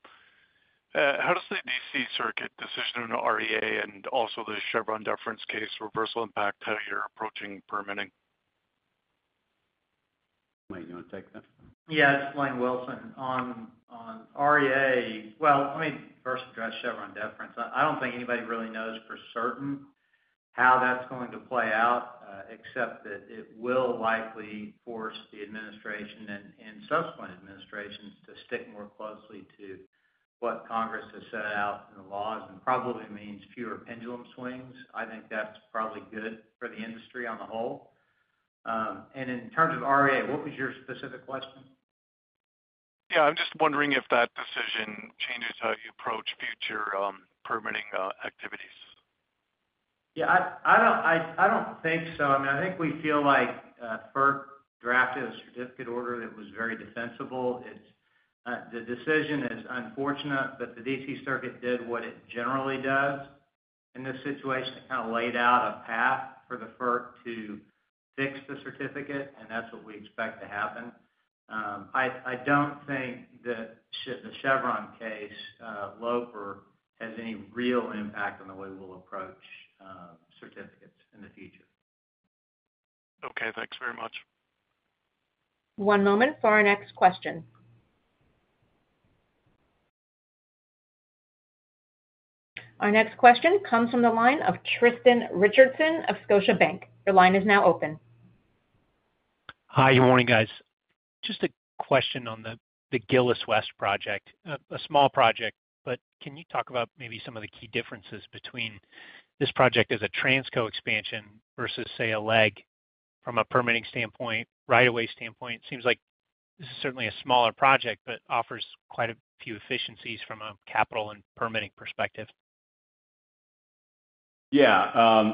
How does the D.C. Circuit decision on the REA and also the Chevron deference case reversal impact how you're approaching permitting? Lane, you want to take that? Yeah, it's Lane Wilson. On REA, well, let me first address Chevron deference. I don't think anybody really knows for certain how that's going to play out, except that it will likely force the administration and subsequent administrations to stick more closely to what Congress has set out in the laws, and probably means fewer pendulum swings. I think that's probably good for the industry on the whole. And in terms of REA, what was your specific question? Yeah, I'm just wondering if that decision changes how you approach future permitting activities? Yeah, I don't think so. I mean, I think we feel like FERC drafted a certificate order that was very defensible. It's the decision is unfortunate, but the D.C. Circuit did what it generally does in this situation. It kind of laid out a path for the FERC to fix the certificate, and that's what we expect to happen. I don't think that the Chevron case, Loper, has any real impact on the way we'll approach certificates in the future. Okay, thanks very much. One moment for our next question. Our next question comes from the line of Tristan Richardson of Scotiabank. Your line is now open. Hi, good morning, guys. Just a question on the Gillis West project. A small project, but can you talk about maybe some of the key differences between this project as a Transco expansion versus, say, a leg from a permitting standpoint, right of way standpoint? It seems like this is certainly a smaller project, but offers quite a few efficiencies from a capital and permitting perspective. Yeah,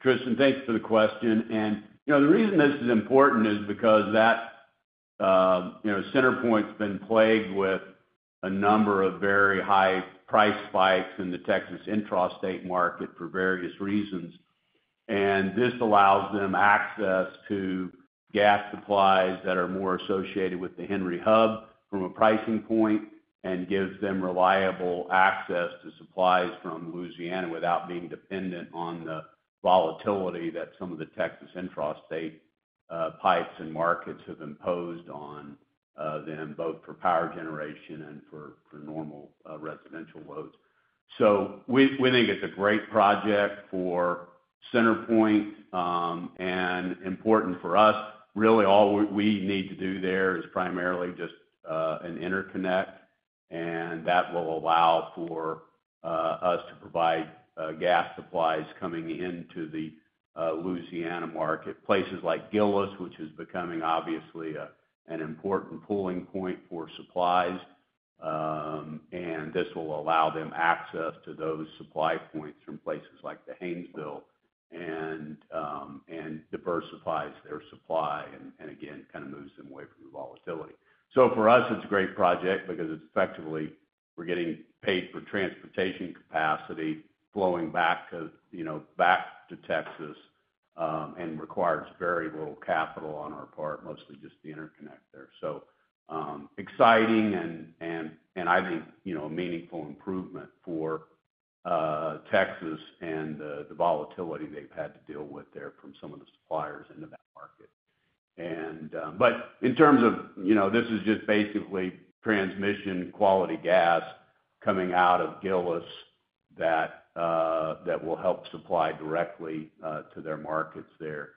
Tristan, thanks for the question. And, you know, the reason this is important is because that, you know, CenterPoint's been plagued with a number of very high price spikes in the Texas intrastate market for various reasons. And this allows them access to gas supplies that are more associated with the Henry Hub from a pricing point, and gives them reliable access to supplies from Louisiana without being dependent on the volatility that some of the Texas intrastate, pipes and markets have imposed on, them, both for power generation and for normal residential loads. So we think it's a great project for CenterPoint, and important for us. Really, all we need to do there is primarily just an interconnect, and that will allow for us to provide gas supplies coming into the Louisiana market. Places like Gillis, which is becoming obviously an important pooling point for supplies, and this will allow them access to those supply points from places like the Haynesville and diversifies their supply and again, kind of moves them away from the volatility. So for us, it's a great project because it's effectively we're getting paid for transportation capacity flowing back to, you know, back to Texas, and requires very little capital on our part, mostly just the interconnect there. So exciting and I think, you know, a meaningful improvement for Texas and the volatility they've had to deal with there from some of the suppliers into that market. But in terms of, you know, this is just basically transmission-quality gas coming out of Gillis that will help supply directly to their markets there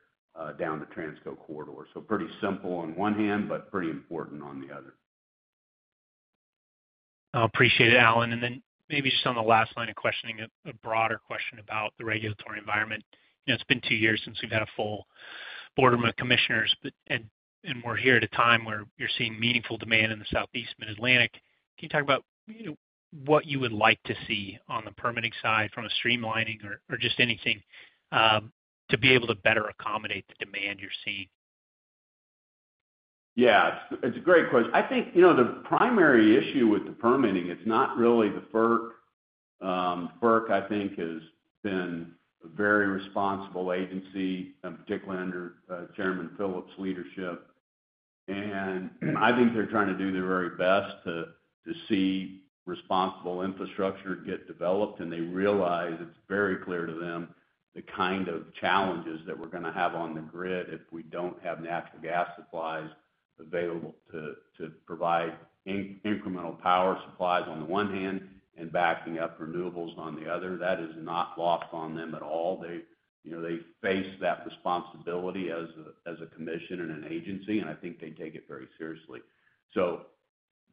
down the Transco corridor. So pretty simple on one hand, but pretty important on the other. I appreciate it, Alan. And then maybe just on the last line of questioning, a broader question about the regulatory environment. You know, it's been two years since we've had a full board of commissioners, but and we're here at a time where you're seeing meaningful demand in the Southeast Mid-Atlantic. Can you talk about, you know, what you would like to see on the permitting side from a streamlining or just anything to be able to better accommodate the demand you're seeing? Yeah, it's a great question. I think, you know, the primary issue with the permitting is not really the FERC. FERC, I think, has been a very responsible agency, particularly under Chairman Phillips' leadership. And I think they're trying to do their very best to see responsible infrastructure get developed, and they realize it's very clear to them, the kind of challenges that we're gonna have on the grid if we don't have natural gas supplies available to provide incremental power supplies on the one hand, and backing up renewables on the other. That is not lost on them at all. They, you know, they face that responsibility as a commission and an agency, and I think they take it very seriously. So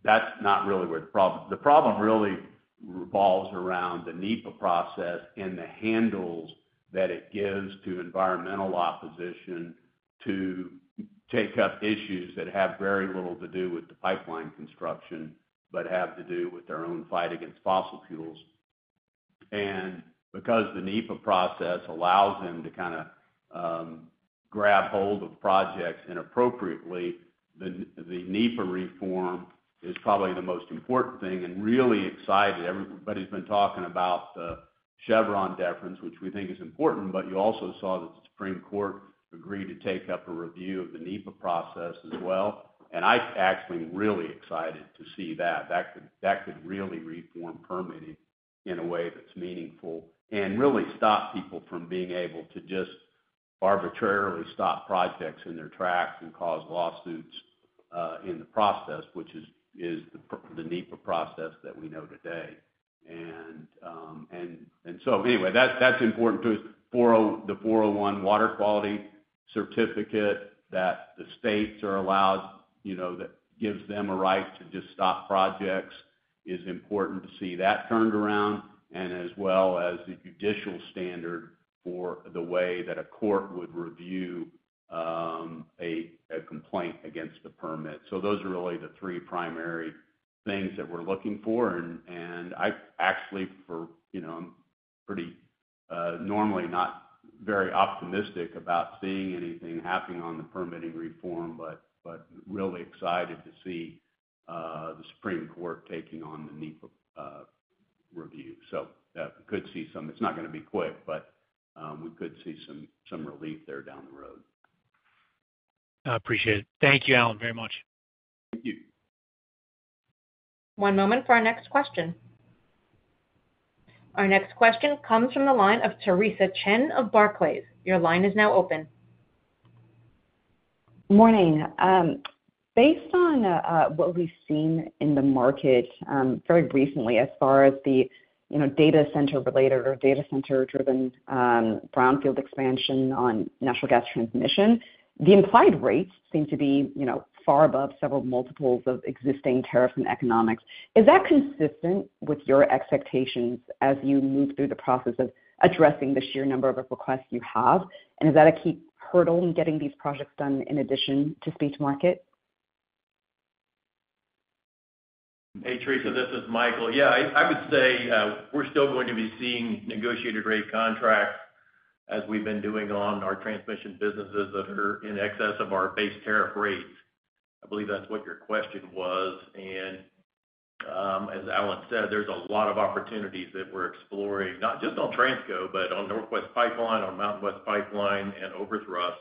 that's not really where the problem. The problem really revolves around the NEPA process and the handles that it gives to environmental opposition to take up issues that have very little to do with the pipeline construction, but have to do with their own fight against fossil fuels. And because the NEPA process allows them to kind of grab hold of projects inappropriately, the NEPA reform is probably the most important thing and really excited. Everybody's been talking about the- Chevron deference, which we think is important, but you also saw that the Supreme Court agree to take up a review of the NEPA process as well. And I'm actually really excited to see that. That could really reform permitting in a way that's meaningful, and really stop people from being able to just arbitrarily stop projects in their tracks and cause lawsuits in the process, which is the NEPA process that we know today. And so anyway, that's important to us. The 401 Water Quality Certificate that the states are allowed, you know, that gives them a right to just stop projects, is important to see that turned around, and as well as the judicial standard for the way that a court would review a complaint against the permit. So those are really the three primary things that we're looking for. And I actually, you know, I'm pretty normally not very optimistic about seeing anything happening on the permitting reform, but really excited to see the Supreme Court taking on the NEPA review. So we could see some. It's not going to be quick, but we could see some relief there down the road. I appreciate it. Thank you, Alan, very much. Thank you. One moment for our next question. Our next question comes from the line of Theresa Chen of Barclays. Your line is now open. Morning. Based on what we've seen in the market very recently, as far as the, you know, data center related or data center-driven brownfield expansion on natural gas transmission, the implied rates seem to be, you know, far above several multiples of existing tariff and economics. Is that consistent with your expectations as you move through the process of addressing the sheer number of requests you have? And is that a key hurdle in getting these projects done in addition to speed to market? Hey, Theresa, this is Michael. Yeah, I would say, we're still going to be seeing negotiated rate contracts as we've been doing on our transmission businesses that are in excess of our base tariff rates. I believe that's what your question was. And, as Alan said, there's a lot of opportunities that we're exploring, not just on Transco, but on Northwest Pipeline, on MountainWest Pipeline, and Overthrust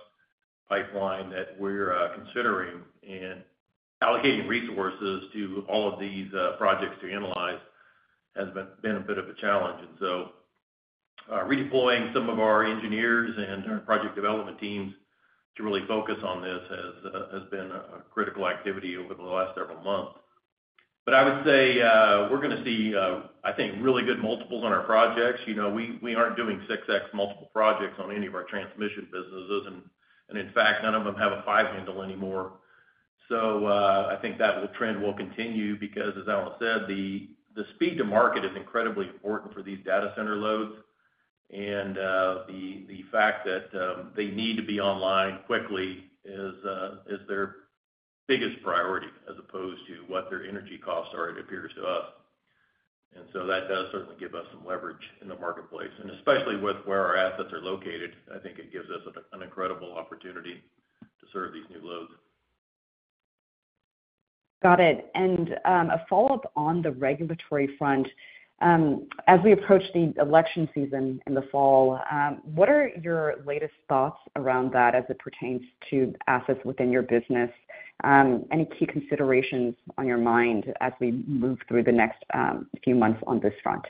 Pipeline, that we're considering. And allocating resources to all of these projects to analyze has been a bit of a challenge. And so, redeploying some of our engineers and our project development teams to really focus on this has been a critical activity over the last several months. But I would say, we're gonna see, I think, really good multiples on our projects. You know, we aren't doing 6x multiple projects on any of our transmission businesses, and in fact, none of them have a 5 handle anymore. So, I think that trend will continue because, as Alan said, the speed to market is incredibly important for these data center loads. And the fact that they need to be online quickly is their biggest priority as opposed to what their energy costs are, it appears to us. And so that does certainly give us some leverage in the marketplace, and especially with where our assets are located, I think it gives us an incredible opportunity to serve these new loads. Got it. A follow-up on the regulatory front. As we approach the election season in the fall, what are your latest thoughts around that as it pertains to assets within your business? Any key considerations on your mind as we move through the next few months on this front?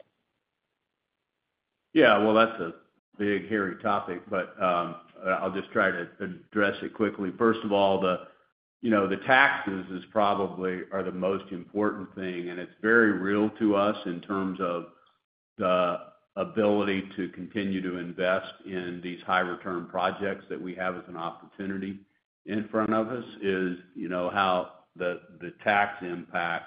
Yeah, well, that's a big, hairy topic, but, I'll just try to address it quickly. First of all, the, you know, the taxes is probably, are the most important thing, and it's very real to us in terms of the ability to continue to invest in these high return projects that we have as an opportunity in front of us, is, you know, how the, the tax impact,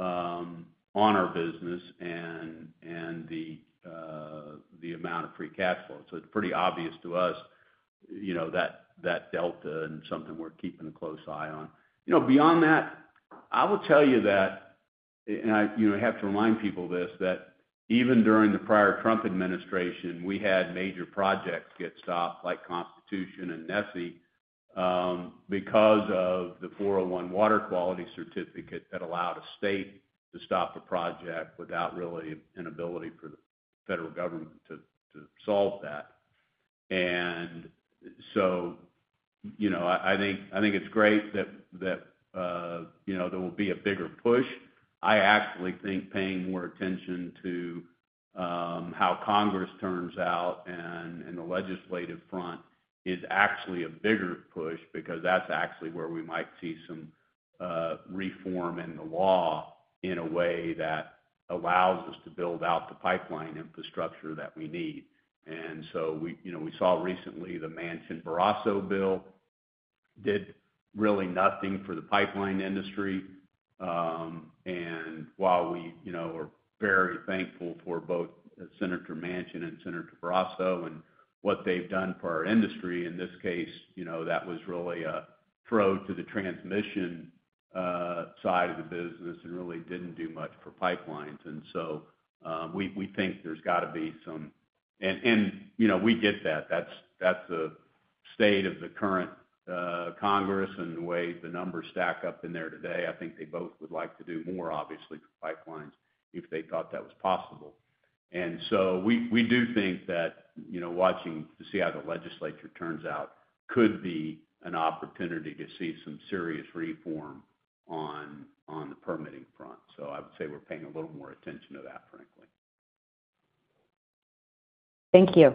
on our business and, and the, the amount of free cash flow. So it's pretty obvious to us, you know, that, that delta and something we're keeping a close eye on. You know, beyond that, I will tell you that, and I, you know, have to remind people this, that even during the prior Trump administration, we had major projects get stopped, like Constitution and NESE, because of the 401 Water Quality Certificate that allowed a state to stop a project without really an ability for the federal government to, to solve that. And so, you know, I, I think, I think it's great that, that, you know, there will be a bigger push. I actually think paying more attention to, how Congress turns out and, and the legislative front is actually a bigger push, because that's actually where we might see some, reform in the law in a way that allows us to build out the pipeline infrastructure that we need. And so we, you know, we saw recently the Manchin-Barrasso bill did really nothing for the pipeline industry. And while we, you know, are very thankful for both Senator Manchin and Senator Barrasso, and what they've done for our industry, in this case, you know, that was really a throw to the transmission side of the business and really didn't do much for pipelines. And so we think there's got to be some... And, and, you know, we get that. That's a- state of the current, Congress and the way the numbers stack up in there today, I think they both would like to do more, obviously, for pipelines, if they thought that was possible. And so we, we do think that, you know, watching to see how the legislature turns out could be an opportunity to see some serious reform on, on the permitting front. So I would say we're paying a little more attention to that, frankly. Thank you.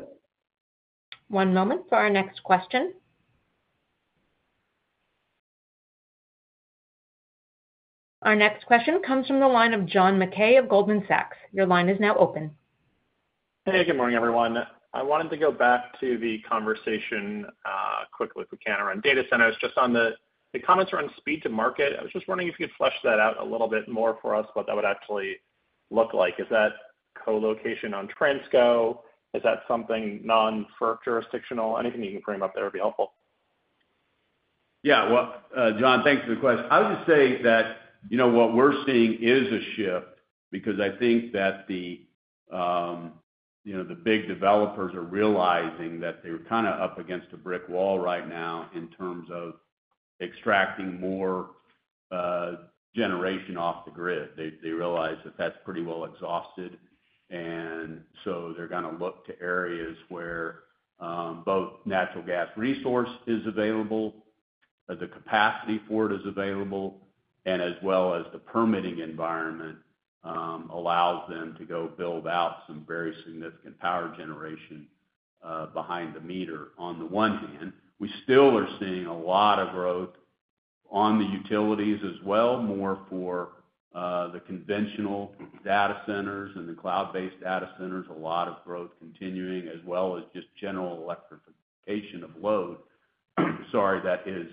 One moment for our next question. Our next question comes from the line of John Mackay of Goldman Sachs. Your line is now open. Hey, good morning, everyone. I wanted to go back to the conversation quickly, if we can, around data centers, just on the comments around speed to market. I was just wondering if you could flesh that out a little bit more for us, what that would actually look like. Is that co-location on Transco? Is that something non-FERC jurisdictional? Anything you can frame up there would be helpful. Yeah. Well, John, thanks for the question. I would just say that, you know, what we're seeing is a shift, because I think that the, you know, the big developers are realizing that they're kind of up against a brick wall right now in terms of extracting more, generation off the grid. They, they realize that that's pretty well exhausted, and so they're gonna look to areas where, both natural gas resource is available, the capacity for it is available, and as well as the permitting environment, allows them to go build out some very significant power generation, behind the meter. On the one hand, we still are seeing a lot of growth on the utilities as well, more for the conventional data centers and the cloud-based data centers, a lot of growth continuing, as well as just general electrification of load, sorry, that is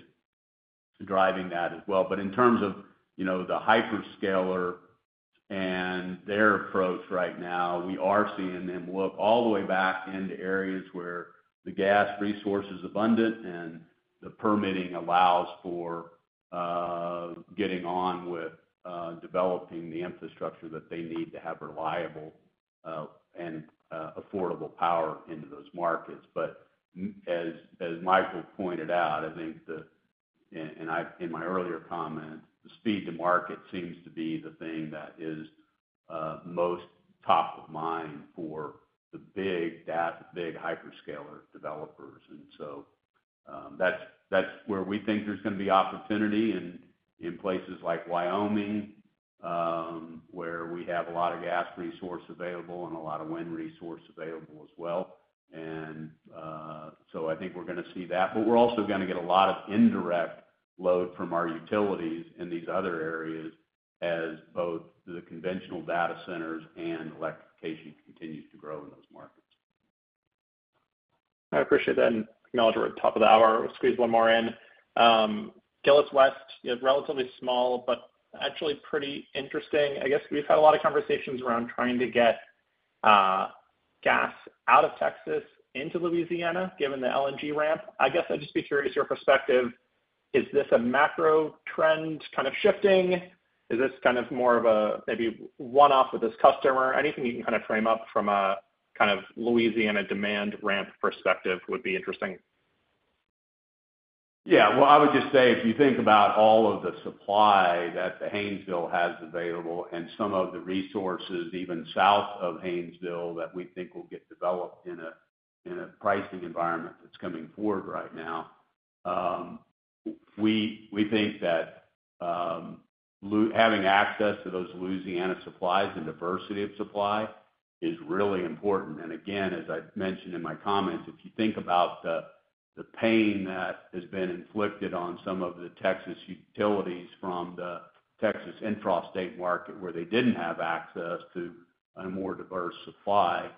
driving that as well. But in terms of, you know, the hyperscaler and their approach right now, we are seeing them look all the way back into areas where the gas resource is abundant and the permitting allows for getting on with developing the infrastructure that they need to have reliable and affordable power into those markets. But as Michael pointed out, I think and I, in my earlier comment, the speed to market seems to be the thing that is most top of mind for the big data, big hyperscaler developers. And so, that's where we think there's gonna be opportunity in places like Wyoming, where we have a lot of gas resource available and a lot of wind resource available as well. And so I think we're gonna see that. But we're also gonna get a lot of indirect load from our utilities in these other areas as both the conventional data centers and electrification continues to grow in those markets. I appreciate that, and acknowledge we're at the top of the hour. We'll squeeze one more in. Gillis West is relatively small, but actually pretty interesting. I guess we've had a lot of conversations around trying to get gas out of Texas into Louisiana, given the LNG ramp. I guess I'd just be curious, your perspective, is this a macro trend kind of shifting? Is this kind of more of a, maybe one-off with this customer? Anything you can kind of frame up from a, kind of, Louisiana demand ramp perspective would be interesting. Yeah. Well, I would just say, if you think about all of the supply that the Haynesville has available and some of the resources even south of Haynesville that we think will get developed in a pricing environment that's coming forward right now, we, we think that having access to those Louisiana supplies and diversity of supply is really important. And again, as I mentioned in my comments, if you think about the pain that has been inflicted on some of the Texas utilities from the Texas intrastate market, where they didn't have access to a more diverse supply,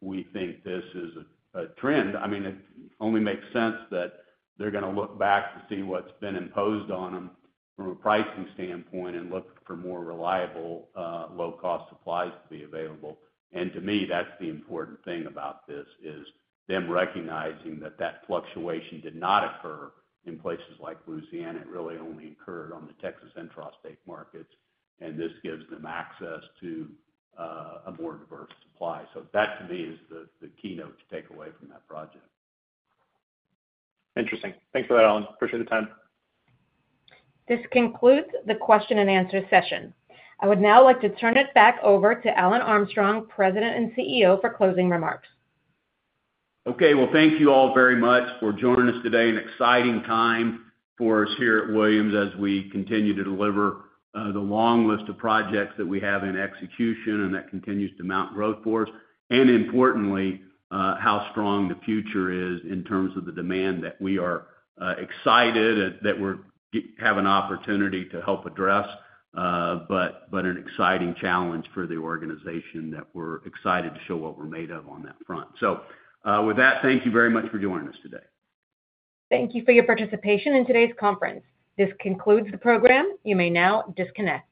we think this is a trend. I mean, it only makes sense that they're gonna look back to see what's been imposed on them from a pricing standpoint and look for more reliable low-cost supplies to be available. To me, that's the important thing about this, is them recognizing that that fluctuation did not occur in places like Louisiana. It really only occurred on the Texas intrastate markets, and this gives them access to a more diverse supply. So that, to me, is the keynote to take away from that project. Interesting. Thanks for that, Alan. Appreciate the time. This concludes the question and answer session. I would now like to turn it back over to Alan Armstrong, President and CEO, for closing remarks. Okay. Well, thank you all very much for joining us today. An exciting time for us here at Williams, as we continue to deliver the long list of projects that we have in execution, and that continues to mount growth for us. And importantly, how strong the future is in terms of the demand that we are excited that we're going to have an opportunity to help address. But an exciting challenge for the organization that we're excited to show what we're made of on that front. So, with that, thank you very much for joining us today. Thank you for your participation in today's conference. This concludes the program. You may now disconnect.